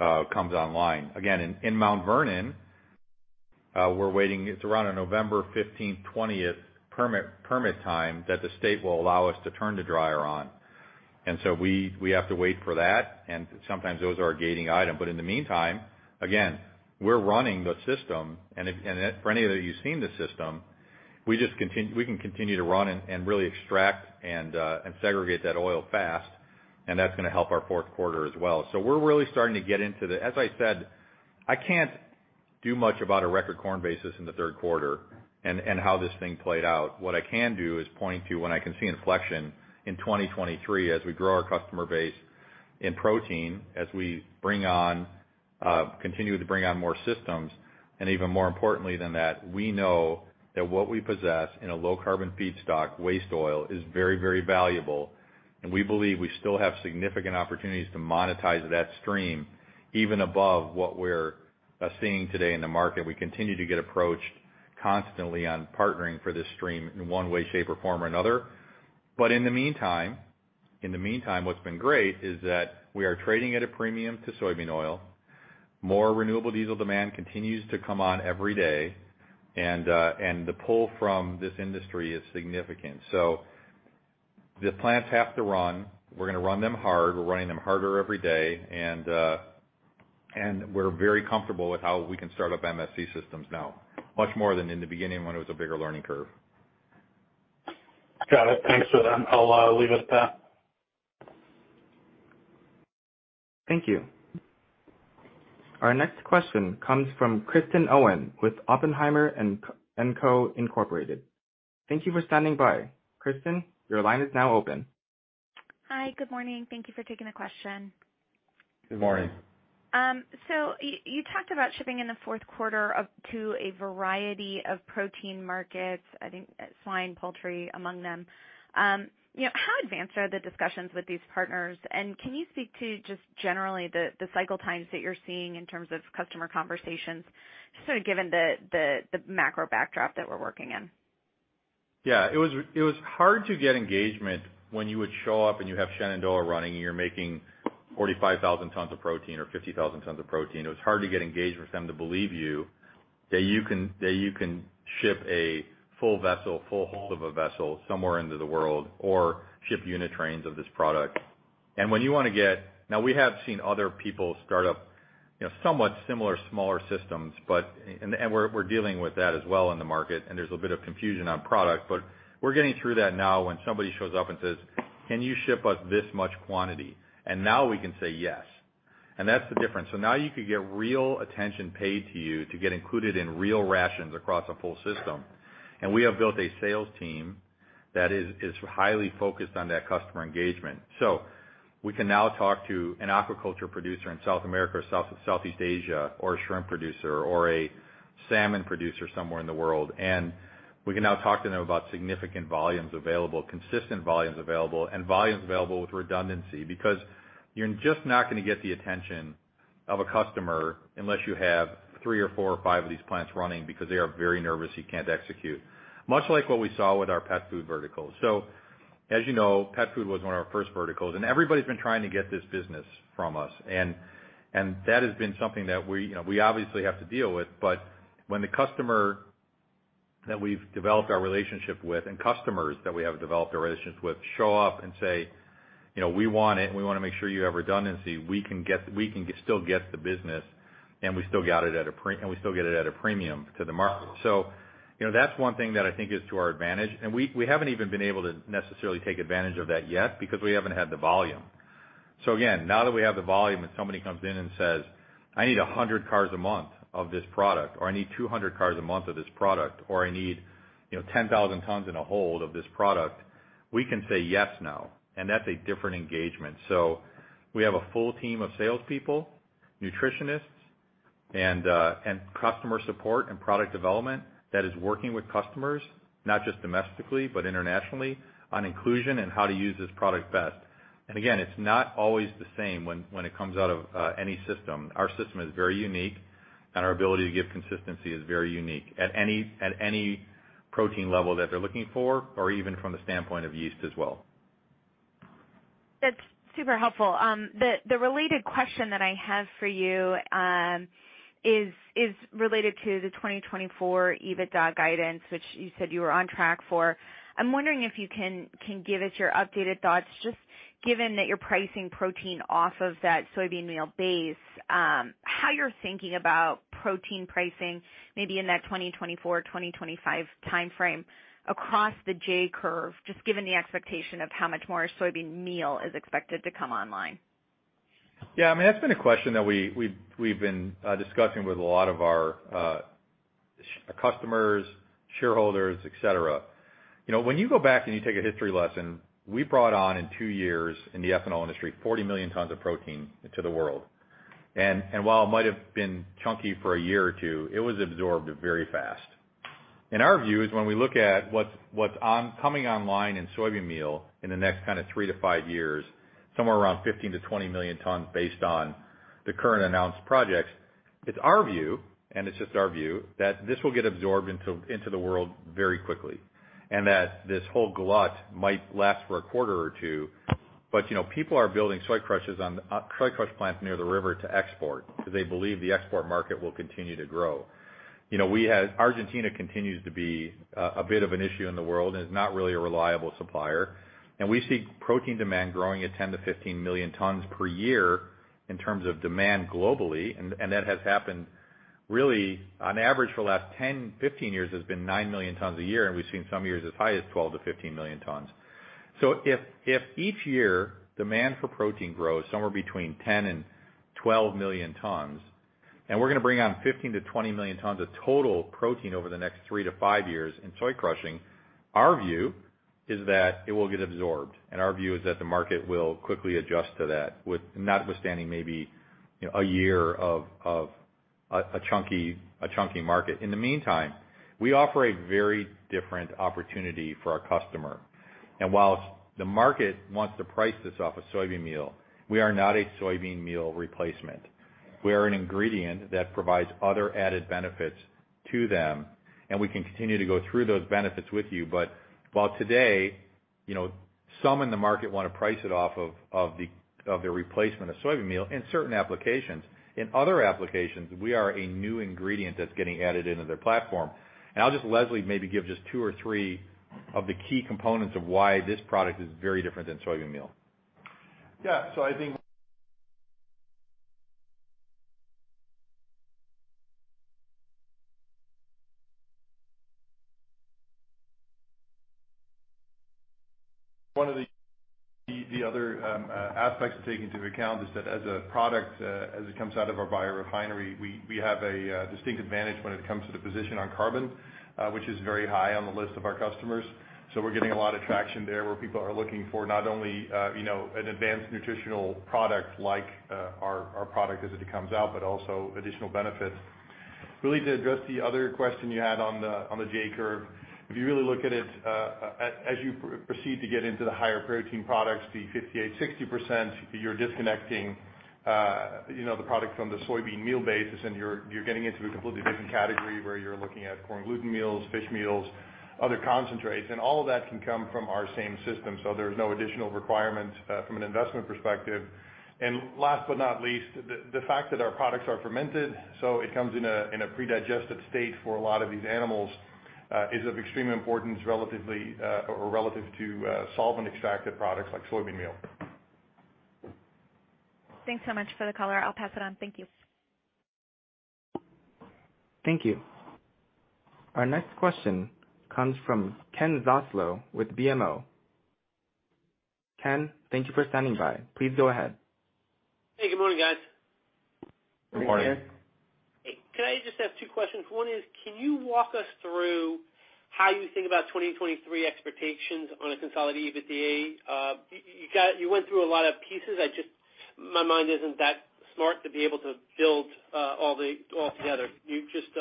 Speaker 3: comes online. Again, in Mount Vernon, we're waiting. It's around a November 15th-20th permit time that the state will allow us to turn the dryer on. We have to wait for that, and sometimes those are a gating item. In the meantime, again, we're running the system, and for any of you who've seen the system, we can continue to run and really extract and segregate that oil fast, and that's gonna help our fourth quarter as well. We're really starting to get into the. As I said, I can't do much about a record corn basis in the third quarter and how this thing played out. What I can do is point to when I can see inflection in 2023 as we grow our customer base in protein, as we bring on, continue to bring on more systems. Even more importantly than that, we know that what we possess in a low-carbon feedstock waste oil is very, very valuable, and we believe we still have significant opportunities to monetize that stream even above what we're seeing today in the market. We continue to get approached constantly on partnering for this stream in one way, shape, or form or another. In the meantime, what's been great is that we are trading at a premium to soybean oil. More renewable diesel demand continues to come on every day. The pull from this industry is significant. The plants have to run. We're gonna run them hard. We're running them harder every day. We're very comfortable with how we can start up MSC systems now, much more than in the beginning when it was a bigger learning curve.
Speaker 6: Got it. Thanks for that. I'll leave it at that.
Speaker 1: Thank you. Our next question comes from Kristen Owen with Oppenheimer & Co. Inc. Thank you for standing by. Kristen, your line is now open.
Speaker 7: Hi. Good morning. Thank you for taking the question.
Speaker 3: Good morning.
Speaker 7: You talked about shipping in the fourth quarter to a variety of protein markets, I think, swine, poultry among them. You know, how advanced are the discussions with these partners? Can you speak to just generally the cycle times that you're seeing in terms of customer conversations, just sort of given the macro backdrop that we're working in?
Speaker 3: Yeah. It was hard to get engagement when you would show up and you have Shenandoah running, and you're making 45,000 tons of protein or 50,000 tons of protein. It was hard to get engagement with them to believe you that you can ship a full vessel, full hold of a vessel somewhere into the world or ship unit trains of this product. Now, we have seen other people start up, you know, somewhat similar smaller systems, but we're dealing with that as well in the market, and there's a bit of confusion on product. We're getting through that now when somebody shows up and says, "Can you ship us this much quantity?" Now we can say yes. That's the difference. Now you could get real attention paid to you to get included in real rations across a full system. We have built a sales team that is highly focused on that customer engagement. We can now talk to an aquaculture producer in South America or South, Southeast Asia or a shrimp producer or a salmon producer somewhere in the world, and we can now talk to them about significant volumes available, consistent volumes available, and volumes available with redundancy. Because you're just not gonna get the attention of a customer unless you have three or four or five of these plants running because they are very nervous you can't execute, much like what we saw with our pet food vertical. As you know, pet food was one of our first verticals, and everybody's been trying to get this business from us. That has been something that we, you know, we obviously have to deal with. When the customer that we've developed our relationship with and customers that we have developed our relationships with show up and say, you know, we want it, and we wanna make sure you have redundancy. We can still get the business, and we still get it at a premium to the market. You know, that's one thing that I think is to our advantage. We haven't even been able to necessarily take advantage of that yet because we haven't had the volume. Again, now that we have the volume and somebody comes in and says, "I need 100 cars a month of this product," or, "I need 200 cars a month of this product," or, "I need, you know, 10,000 tons in a hold of this product," we can say yes now, and that's a different engagement. We have a full team of salespeople, nutritionists, and customer support and product development that is working with customers, not just domestically, but internationally, on inclusion and how to use this product best. Again, it's not always the same when it comes out of any system. Our system is very unique, and our ability to give consistency is very unique at any protein level that they're looking for or even from the standpoint of yeast as well.
Speaker 7: That's super helpful. The related question that I have for you is related to the 2024 EBITDA guidance, which you said you were on track for. I'm wondering if you can give us your updated thoughts, just given that you're pricing protein off of that soybean meal base, how you're thinking about protein pricing maybe in that 2024, 2025 timeframe across the J curve, just given the expectation of how much more soybean meal is expected to come online?
Speaker 3: Yeah, I mean, that's been a question that we've been discussing with a lot of our customers, shareholders, et cetera. You know, when you go back and you take a history lesson, we brought on in two years in the ethanol industry 40 million tons of protein into the world. While it might have been chunky for a year or two, it was absorbed very fast. Our view is when we look at what's coming online in soybean meal in the next kind of three to five years, somewhere around 15 million tons-20 million tons based on the current announced projects, it's our view, and it's just our view, that this will get absorbed into the world very quickly, and that this whole glut might last for a quarter or two. You know, people are building soy crushes on soy crush plants near the river to export because they believe the export market will continue to grow. You know, Argentina continues to be a bit of an issue in the world and is not really a reliable supplier. We see protein demand growing at 10 million tons-15 million tons per year in terms of demand globally, and that has happened really on average for the last 10 years-15 years. It's been 9 million tons a year, and we've seen some years as high as 12 million tons-15 million tons. If each year demand for protein grows somewhere between 10 million tons and 12 million tons, and we're gonna bring on 15 million tons-20 million tons of total protein over the next three to five years in soy crushing, our view is that it will get absorbed, and our view is that the market will quickly adjust to that with, notwithstanding maybe, you know, a year of a chunky market. In the meantime, we offer a very different opportunity for our customer. While the market wants to price this off of soybean meal, we are not a soybean meal replacement. We are an ingredient that provides other added benefits to them, and we can continue to go through those benefits with you. While today, you know, some in the market wanna price it off of the replacement of soybean meal in certain applications, in other applications, we are a new ingredient that's getting added into their platform. I'll just, Leslie, maybe give just two or three of the key components of why this product is very different than soybean meal.
Speaker 8: Yeah. I think one of the other aspects to take into account is that as a product, as it comes out of our biorefinery, we have a distinct advantage when it comes to the position on carbon, which is very high on the list of our customers. We're getting a lot of traction there, where people are looking for not only, you know, an advanced nutritional product like our product as it comes out, but also additional benefits. Really to address the other question you had on the J curve, if you really look at it, as you proceed to get into the higher protein products, the 58%-60%, you're disconnecting, you know, the product from the soybean meal basis, and you're getting into a completely different category where you're looking at corn gluten meal, fish meal, other concentrates, and all of that can come from our same system. There's no additional requirements from an investment perspective. Last but not least, the fact that our products are fermented, so it comes in a pre-digested state for a lot of these animals, is of extreme importance relative to solvent-extracted products like soybean meal.
Speaker 7: Thanks so much for the color. I'll pass it on. Thank you.
Speaker 1: Thank you. Our next question comes from Ken Zaslow with BMO. Ken, thank you for standing by. Please go ahead.
Speaker 9: Hey, good morning, guys.
Speaker 3: Good morning.
Speaker 4: Good morning, Ken.
Speaker 9: Hey, can I just have two questions? One is, can you walk us through how you think about 2023 expectations on a consolidated EBITDA? You went through a lot of pieces. My mind isn't that smart to be able to build all together. Can you just,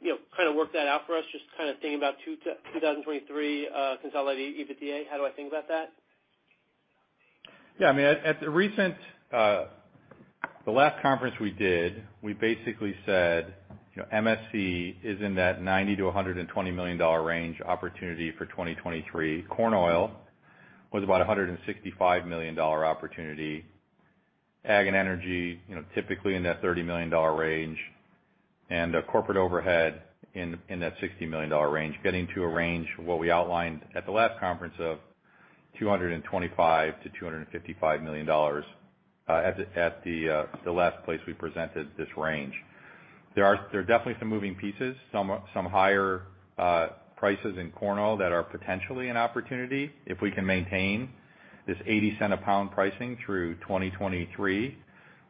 Speaker 9: you know, kind of work that out for us, just to kinda think about 2023 consolidated EBITDA? How do I think about that?
Speaker 3: Yeah. I mean, at the recent, the last conference we did, we basically said, you know, MSC is in that $90 million-$120 million range opportunity for 2023. Corn oil was about a $165 million opportunity. Ag and energy, you know, typically in that $30 million range, and our corporate overhead in that $60 million range, getting to a range of what we outlined at the last conference of $225 million-$255 million, at the last place we presented this range. There are definitely some moving pieces, some higher prices in corn oil that are potentially an opportunity. If we can maintain this $0.80 a pound pricing through 2023,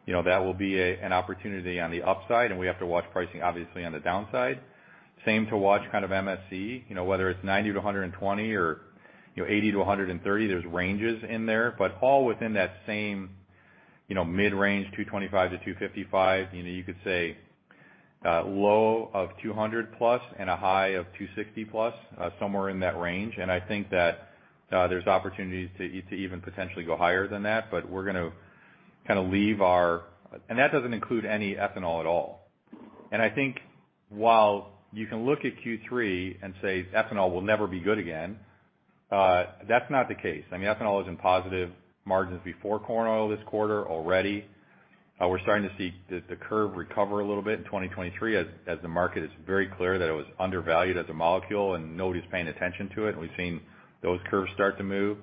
Speaker 3: you know, that will be an opportunity on the upside, and we have to watch pricing obviously on the downside. Same to watch kind of MSC, you know, whether it's $90 million-$120 million or, you know, $80 million-$130 million, there's ranges in there, but all within that same, you know, mid-range, $225 million-$255 million. You know, you could say a low of $200+ million and a high of $260+ million, somewhere in that range. I think that there's opportunities to even potentially go higher than that. That doesn't include any ethanol at all. I think while you can look at Q3 and say ethanol will never be good again, that's not the case. I mean, ethanol is in positive margins before corn oil this quarter already. We're starting to see the curve recover a little bit in 2023 as the market is very clear that it was undervalued as a molecule and nobody's paying attention to it. We've seen those curves start to move.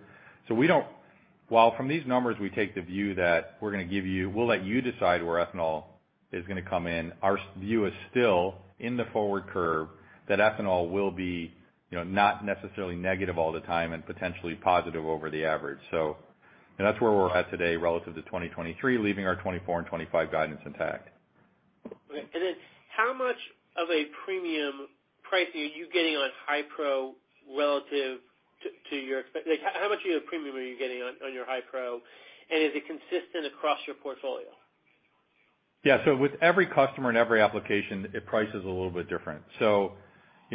Speaker 3: While from these numbers, we take the view that we'll let you decide where ethanol is gonna come in, our view is still in the forward curve that ethanol will be, you know, not necessarily negative all the time and potentially positive over the average. You know, that's where we're at today relative to 2023, leaving our 2024 and 2025 guidance intact.
Speaker 9: Okay. Like, how much of your premium are you getting on your high pro, and is it consistent across your portfolio?
Speaker 3: Yeah. With every customer and every application, it prices a little bit different. You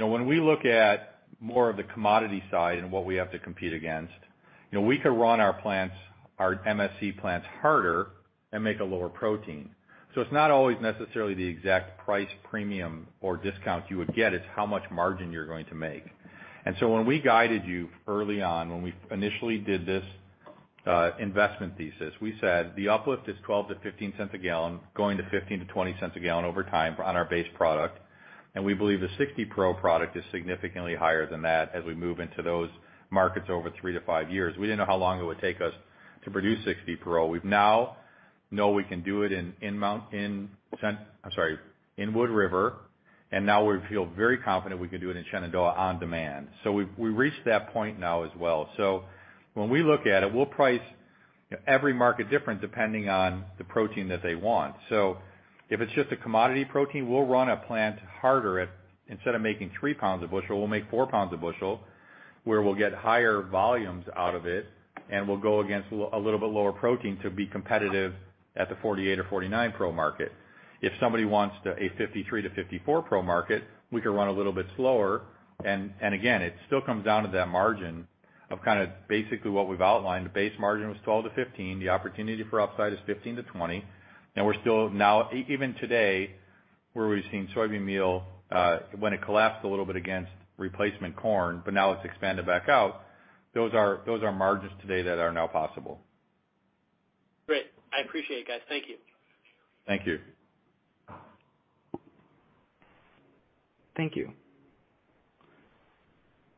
Speaker 3: know, when we look at more of the commodity side and what we have to compete against, you know, we could run our plants, our MSC plants harder and make a lower protein. It's not always necessarily the exact price premium or discount you would get, it's how much margin you're going to make. When we guided you early on, when we initially did this, investment thesis, we said the uplift is $0.12-$0.15 a gallon, going to $0.15 a gallon-$0.20 a gallon over time for on our base product. We believe the 60 pro product is significantly higher than that as we move into those markets over three to five years. We didn't know how long it would take us to produce 60 pro. We now know we can do it in Wood River, and now we feel very confident we can do it in Shenandoah on demand. We've reached that point now as well. When we look at it, we'll price, you know, every market different depending on the protein that they want. If it's just a commodity protein, we'll run a plant harder at instead of making 3 lbs a bushel, we'll make 4 lbs a bushel, where we'll get higher volumes out of it, and we'll go against a little bit lower protein to be competitive at the 48 pro or 49 pro market. If somebody wants a 53 pro-54 pro market, we can run a little bit slower. Again, it still comes down to that margin of kinda basically what we've outlined. The base margin was 12%-15%. The opportunity for upside is 15%-20%. We're still now even today, where we've seen soybean meal when it collapsed a little bit against replacement corn, but now it's expanded back out. Those are margins today that are now possible.
Speaker 9: Great. I appreciate it, guys. Thank you.
Speaker 3: Thank you.
Speaker 1: Thank you.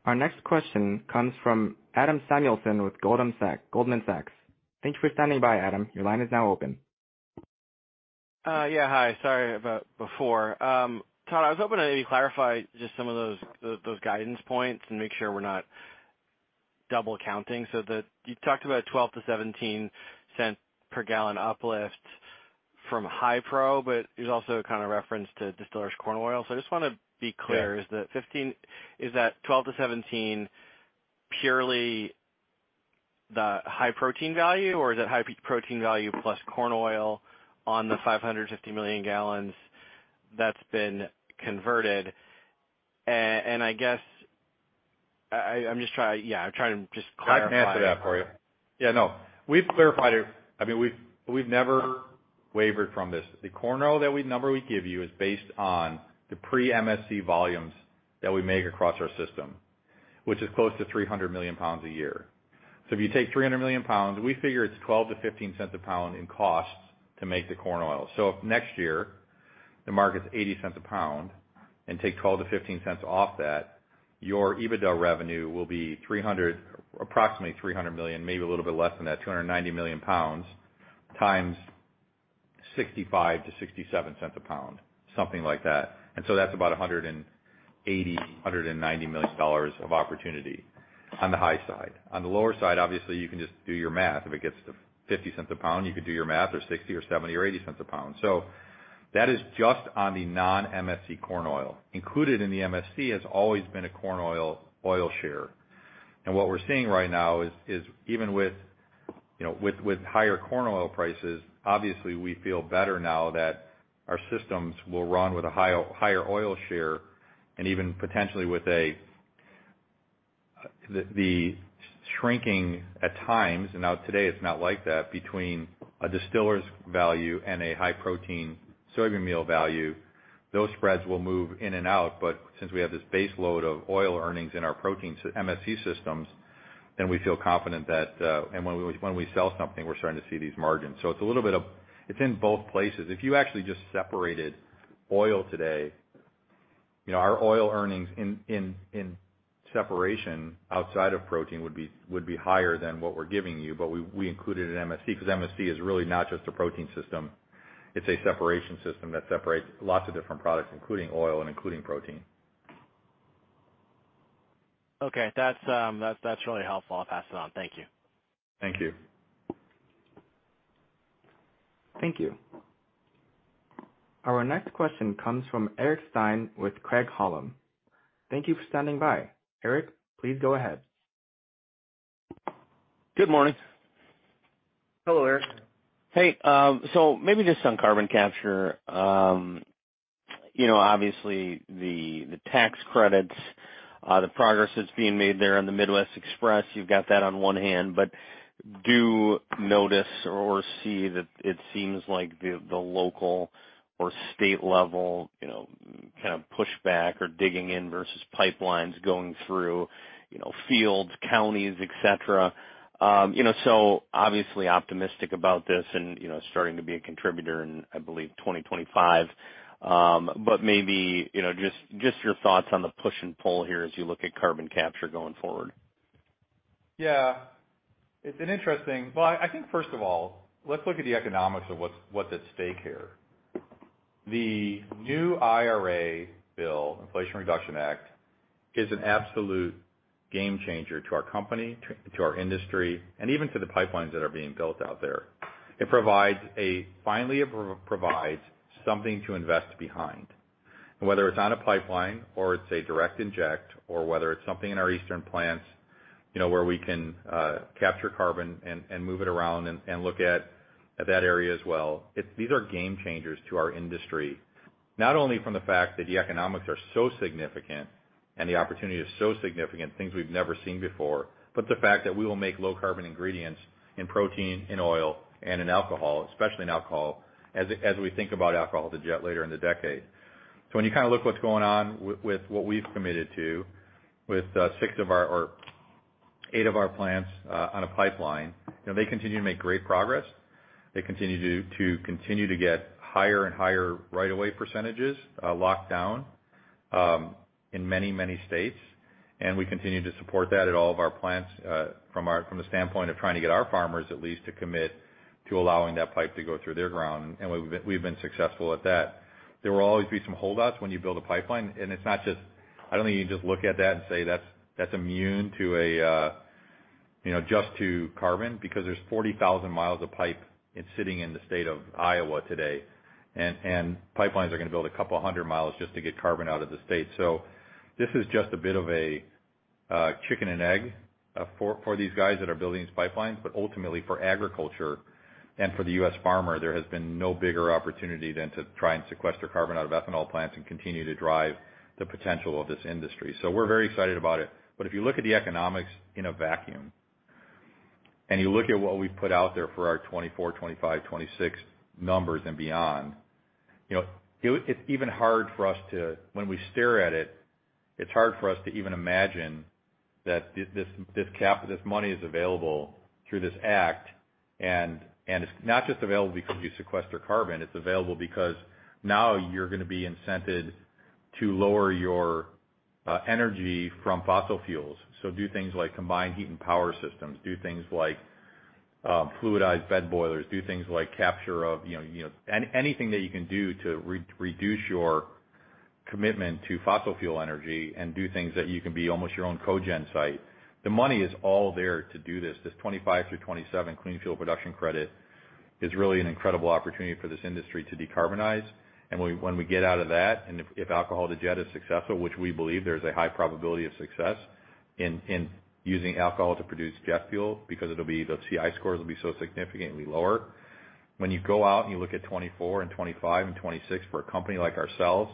Speaker 1: Our next question comes from Adam Samuelson with Goldman Sachs. Thank you for standing by, Adam. Your line is now open.
Speaker 5: Yeah. Hi. Sorry about before. Todd, I was hoping to maybe clarify just some of those guidance points and make sure we're not double counting. You talked about $0.12-$0.17 per gallon uplift from high pro, but there's also a kinda reference to distillers' corn oil. I just wanna be clear.
Speaker 3: Yeah.
Speaker 5: Is that $0.12-$0.17 purely the high protein value, or is it high protein value plus corn oil on the 550 million gallons that's been converted? I guess I'm just trying to clarify.
Speaker 3: I can answer that for you. Yeah, no. We've clarified it. I mean, we've never wavered from this. The corn oil number we give you is based on the pre-MSC volumes that we make across our system, which is close to 300 million pounds a year. If you take 300 million pounds, we figure it's $0.12 per pound-$0.15 per pound in cost to make the corn oil. If next year the market's $0.80 per pound and take $0.12-$0.15 off that, your EBITDA revenue will be 300, approximately 300 million, maybe a little bit less than that, 290 million pounds times $0.65 per pound-$0.67 per pound, something like that. That's about $180 million-$190 million of opportunity on the high side. On the lower side, obviously, you can just do your math. If it gets to $0.50 a pound, you could do your math or $0.60 a pound or $0.70 a pound or $0.80 a pound. That is just on the non-MSC corn oil. Included in the MSC has always been a corn oil share. What we're seeing right now is even with, you know, higher corn oil prices, obviously we feel better now that our systems will run with a higher oil share and even potentially with the shrinking at times, and now today it's not like that, between a distiller's value and a high protein soybean meal value. Those spreads will move in and out, but since we have this base load of oil earnings in our protein MSC systems, then we feel confident that- when we sell something, we're starting to see these margins. It's a little bit of it's in both places. If you actually just separated oil today, you know, our oil earnings in separation outside of protein would be higher than what we're giving you. We included an MSC, 'cause MSC is really not just a protein system, it's a separation system that separates lots of different products, including oil and including protein.
Speaker 5: Okay. That's really helpful. I'll pass it on. Thank you.
Speaker 3: Thank you.
Speaker 1: Thank you. Our next question comes from Eric Stine with Craig-Hallum. Thank you for standing by. Eric, please go ahead.
Speaker 10: Good morning.
Speaker 3: Hello, Eric.
Speaker 10: Hey. Maybe just on carbon capture. You know, obviously the tax credits, the progress that's being made there on the Midwest Carbon Express, you've got that on one hand. Do you notice or see that it seems like the local or state level, you know, kind of pushback or digging in versus pipelines going through, you know, fields, counties, et cetera. You know, obviously optimistic about this and, you know, starting to be a contributor in, I believe, 2025. Maybe, you know, just your thoughts on the push and pull here as you look at carbon capture going forward.
Speaker 3: Yeah. It's been interesting. Well, I think first of all, let's look at the economics of what's at stake here. The new IRA bill, Inflation Reduction Act, is an absolute game changer to our company, to our industry, and even to the pipelines that are being built out there. It finally provides something to invest behind. Whether it's on a pipeline or it's a direct inject or whether it's something in our eastern plants, you know, where we can capture carbon and move it around and look at that area as well. These are game changers to our industry. Not only from the fact that the economics are so significant and the opportunity is so significant, things we've never seen before, but the fact that we will make low-carbon ingredients in protein and oil and in alcohol, especially in alcohol, as we think about Alcohol-to-Jet later in the decade. When you kind of look at what's going on with what we've committed to with six or eight of our plants on a pipeline, you know, they continue to make great progress. They continue to get higher and higher right-of-way percentages locked down in many states. We continue to support that at all of our plants from the standpoint of trying to get our farmers at least to commit to allowing that pipe to go through their ground. We've been successful at that. There will always be some holdouts when you build a pipeline, and it's not just, I don't think you just look at that and say that's immune to a, you know, just the carbon because there's 40,000 mi of pipe sitting in the state of Iowa today. Pipelines are gonna build a couple hundred miles just to get carbon out of the state. This is just a bit of a chicken and egg for these guys that are building these pipelines. Ultimately for agriculture and for the U.S. farmer, there has been no bigger opportunity than to try and sequester carbon out of ethanol plants and continue to drive the potential of this industry. We're very excited about it. If you look at the economics in a vacuum, and you look at what we've put out there for our 2024, 2025, 2026 numbers and beyond, you know, when we stare at it's hard for us to even imagine that this cap, this money is available through this act, and it's not just available because you sequester carbon, it's available because now you're gonna be incented to lower your energy from fossil fuels. Do things like combine heat and power systems, do things like fluidized bed boilers, do things like capture anything that you can do to reduce your commitment to fossil fuel energy and do things that you can be almost your own cogen site. The money is all there to do this. This 2025 through 2027 clean fuel production credit is really an incredible opportunity for this industry to decarbonize. When we get out of that, and if Alcohol-to-Jet is successful, which we believe there's a high probability of success in using alcohol to produce jet fuel because it'll be the CI scores will be so significantly lower. When you go out and you look at 2024 and 2025 and 2026 for a company like ourselves,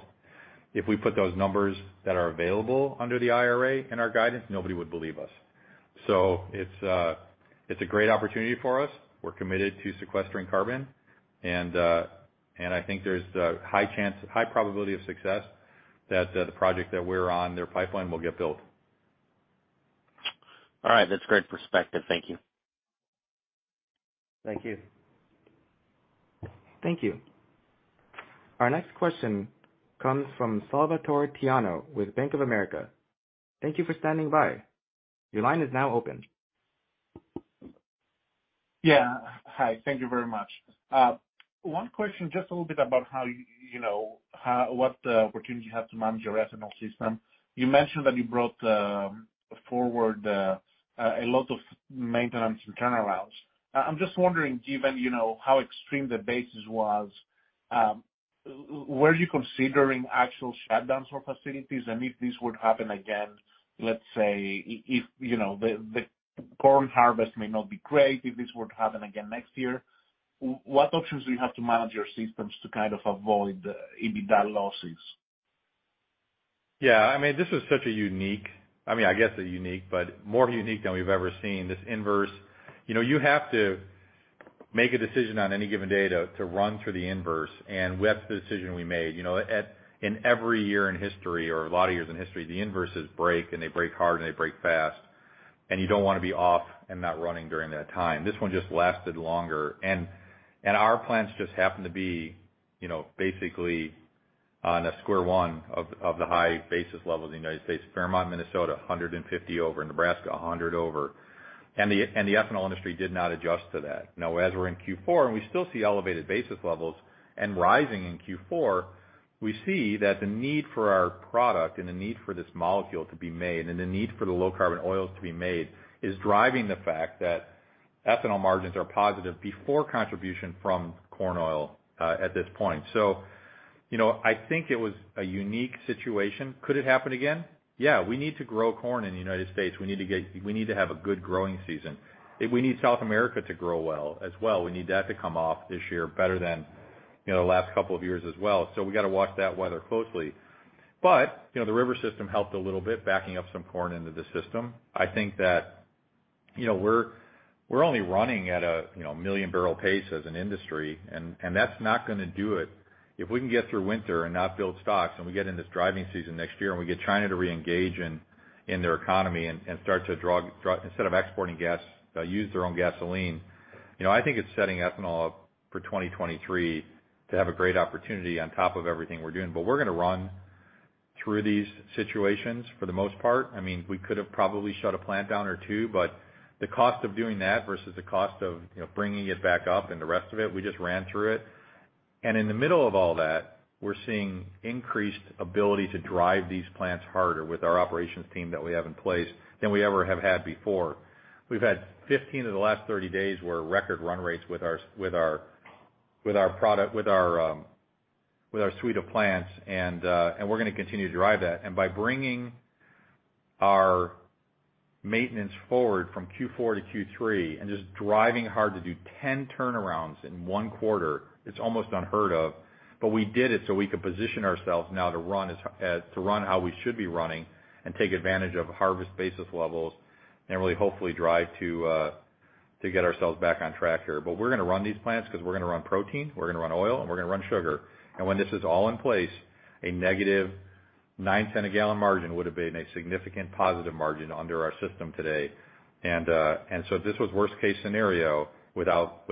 Speaker 3: if we put those numbers that are available under the IRA in our guidance, nobody would believe us. It's a great opportunity for us. We're committed to sequestering carbon and I think there's a high chance, high probability of success that the project that we're on the pipeline will get built.
Speaker 10: All right. That's great perspective. Thank you.
Speaker 3: Thank you.
Speaker 1: Thank you. Our next question comes from Salvator Tiano with Bank of America. Thank you for standing by. Your line is now open.
Speaker 11: Yeah. Hi. Thank you very much. One question just a little bit about how, you know, what opportunity you have to manage your ethanol system. You mentioned that you brought forward a lot of maintenance and turnarounds. I'm just wondering, given you know, how extreme the basis was, were you considering actual shutdowns for facilities? And if this would happen again, let's say if, you know, the corn harvest may not be great, if this would happen again next year, what options do you have to manage your systems to kind of avoid EBITDA losses?
Speaker 3: Yeah. I mean, this is such a unique, I mean, I guess a unique, but more unique than we've ever seen, this inverse. You know, you have to make a decision on any given day to run through the inverse, and that's the decision we made. You know, in every year in history or a lot of years in history, the inverses break, and they break hard, and they break fast, and you don't wanna be off and not running during that time. This one just lasted longer. Our plants just happened to be, you know, basically on a square one of the high basis level in the United States. Fairmont, Minnesota, 150 over. Nebraska, 100 over. The ethanol industry did not adjust to that. Now, as we're in Q4, and we still see elevated basis levels and rising in Q4, we see that the need for our product and the need for this molecule to be made and the need for the low carbon oils to be made is driving the fact that ethanol margins are positive before contribution from corn oil at this point. You know, I think it was a unique situation. Could it happen again? Yeah. We need to grow corn in the United States. We need to have a good growing season. We need South America to grow well as well. We need that to come off this year better than, you know, the last couple of years as well. We gotta watch that weather closely. You know, the river system helped a little bit, backing up some corn into the system. I think that, you know, we're only running at a 1 million barrel pace as an industry, and that's not gonna do it. If we can get through winter and not build stocks, and we get in this driving season next year, and we get China to reengage in their economy and start to draw instead of exporting gas, use their own gasoline, you know, I think it's setting ethanol up for 2023 to have a great opportunity on top of everything we're doing. We're gonna run through these situations for the most part. I mean, we could have probably shut a plant down or two, but the cost of doing that versus the cost of, you know, bringing it back up and the rest of it, we just ran through it. In the middle of all that, we're seeing increased ability to drive these plants harder with our operations team that we have in place than we ever have had before. We've had 15 of the last 30 days where record run rates with our suite of plants, and we're gonna continue to drive that. By bringing our maintenance forward from Q4 to Q3 and just driving hard to do 10 turnarounds in one quarter, it's almost unheard of. But we did it so we could position ourselves now to run how we should be running and take advantage of harvest basis levels and really hopefully drive to get ourselves back on track here. We're gonna run these plants 'cause we're gonna run protein, we're gonna run oil, and we're gonna run sugar. When this is all in place, a negative $0.09-a-gallon margin would have been a significant positive margin under our system today. This was worst case scenario without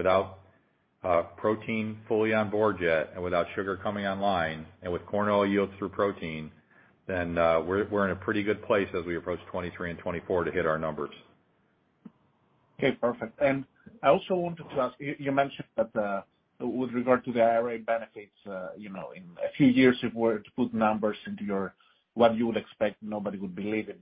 Speaker 3: protein fully on board yet and without sugar coming online and with corn oil yields through protein, then we're in a pretty good place as we approach 2023 and 2024 to hit our numbers.
Speaker 11: Okay. Perfect. I also wanted to ask, you mentioned that, with regard to the IRA benefits, you know, in a few years if we were to put numbers into your what you would expect, nobody would believe it.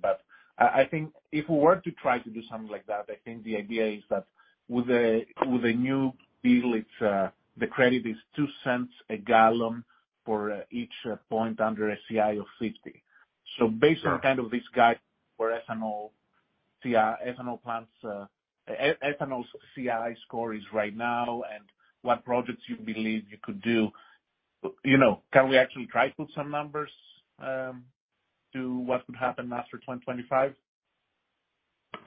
Speaker 11: I think if we were to try to do something like that, I think the idea is that with a new bill, it's the credit is $0.02 a gallon for each point under a CI of 50.
Speaker 3: Yeah.
Speaker 11: Based on kind of this guide for ethanol CI ethanol plants, ethanol CI score is right now and what projects you believe you could do, you know, can we actually try to put some numbers to what would happen after 2025?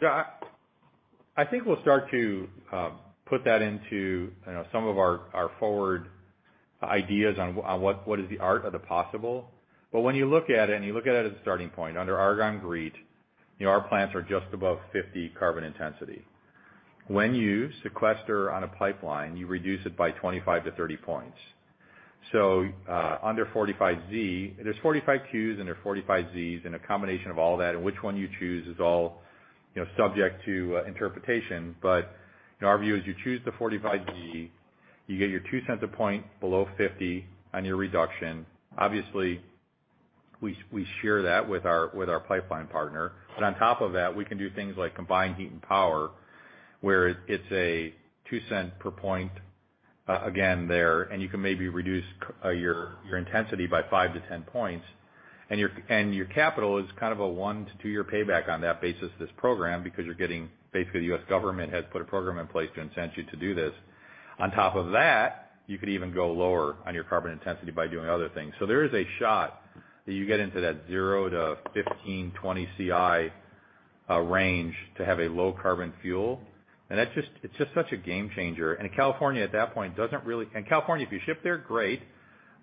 Speaker 3: Yeah. I think we'll start to put that into, you know, some of our forward ideas on what is the art of the possible. When you look at it as a starting point, under Argonne GREET, you know, our plants are just above 50 carbon intensity. When you sequester on a pipeline, you reduce it by 25 points-30 points. Under 45Z, there are 45Qs and there are 45Zs, and a combination of all that, and which one you choose is all, you know, subject to interpretation. Our view is you choose the 45Z, you get your $0.02 a point below 50 on your reduction. Obviously, we share that with our pipeline partner. On top of that, we can do things like combined heat and power, where it's a $0.02 per point, again there, and you can maybe reduce carbon intensity by five to 10 points. Your capital is kind of a one to two year payback on that basis of this program because you're getting basically, the U.S. government has put a program in place to incent you to do this. On top of that, you could even go lower on your carbon intensity by doing other things. There is a shot that you get into that 0-15, 20 CI range to have a low carbon fuel. That's just such a game changer. California at that point doesn't really. California, if you ship there, great.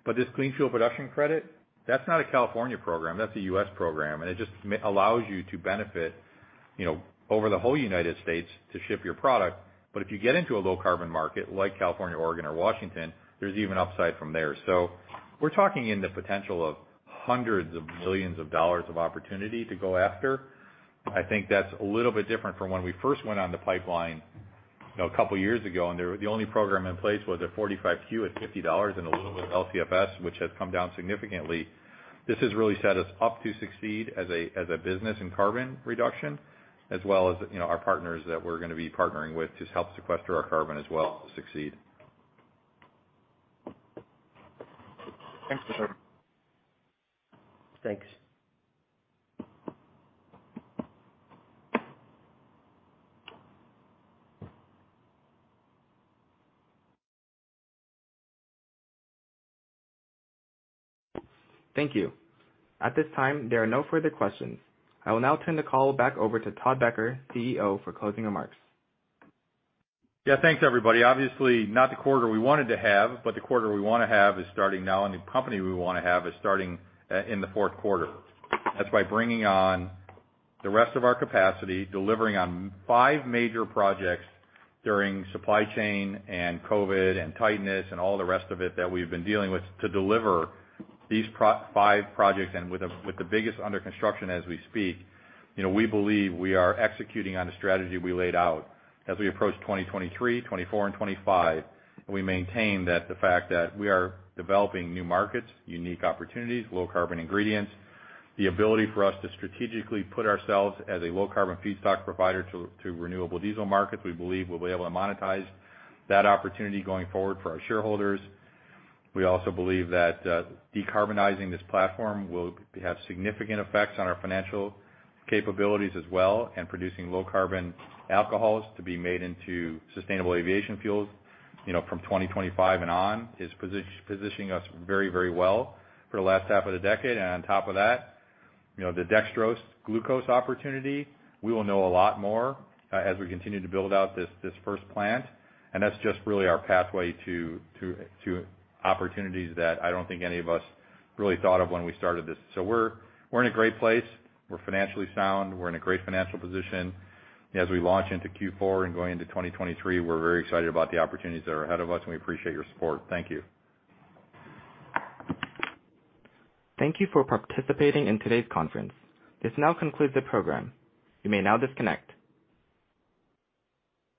Speaker 3: This clean fuel production credit, that's not a California program, that's a U.S. program. It just allows you to benefit, you know, over the whole United States to ship your product. If you get into a low carbon market like California, Oregon, or Washington, there's even upside from there. We're talking in the potential of $hundreds of millions of opportunity to go after. I think that's a little bit different from when we first went on the pipeline, you know, a couple years ago, and the only program in place was a 45Q at $50 and a little bit of LCFS, which has come down significantly. This has really set us up to succeed as a business in carbon reduction, as well as, you know, our partners that we're gonna be partnering with to help sequester our carbon as well to succeed.
Speaker 11: Thanks.
Speaker 1: Thank you. At this time, there are no further questions. I will now turn the call back over to Todd Becker, CEO, for closing remarks.
Speaker 3: Yeah, thanks everybody. Obviously, not the quarter we wanted to have, but the quarter we wanna have is starting now, and the company we wanna have is starting in the fourth quarter. That's by bringing on the rest of our capacity, delivering on five major projects during supply chain and COVID and tightness and all the rest of it that we've been dealing with to deliver these five projects and with the biggest under construction as we speak. You know, we believe we are executing on the strategy we laid out. As we approach 2023, 2024, and 2025, we maintain that the fact that we are developing new markets, unique opportunities, low carbon ingredients, the ability for us to strategically put ourselves as a low carbon feedstock provider to renewable diesel markets, we believe we'll be able to monetize that opportunity going forward for our shareholders. We also believe that decarbonizing this platform will have significant effects on our financial capabilities as well, and producing low carbon alcohols to be made into sustainable aviation fuels, you know, from 2025 and on, is positioning us very, very well for the last half of the decade. On top of that, you know, the Dextrose glucose opportunity, we will know a lot more as we continue to build out this first plant, and that's just really our pathway to opportunities that I don't think any of us really thought of when we started this. We're in a great place. We're financially sound. We're in a great financial position. As we launch into Q4 and going into 2023, we're very excited about the opportunities that are ahead of us, and we appreciate your support. Thank you.
Speaker 1: Thank you for participating in today's conference. This now concludes the program. You may now disconnect.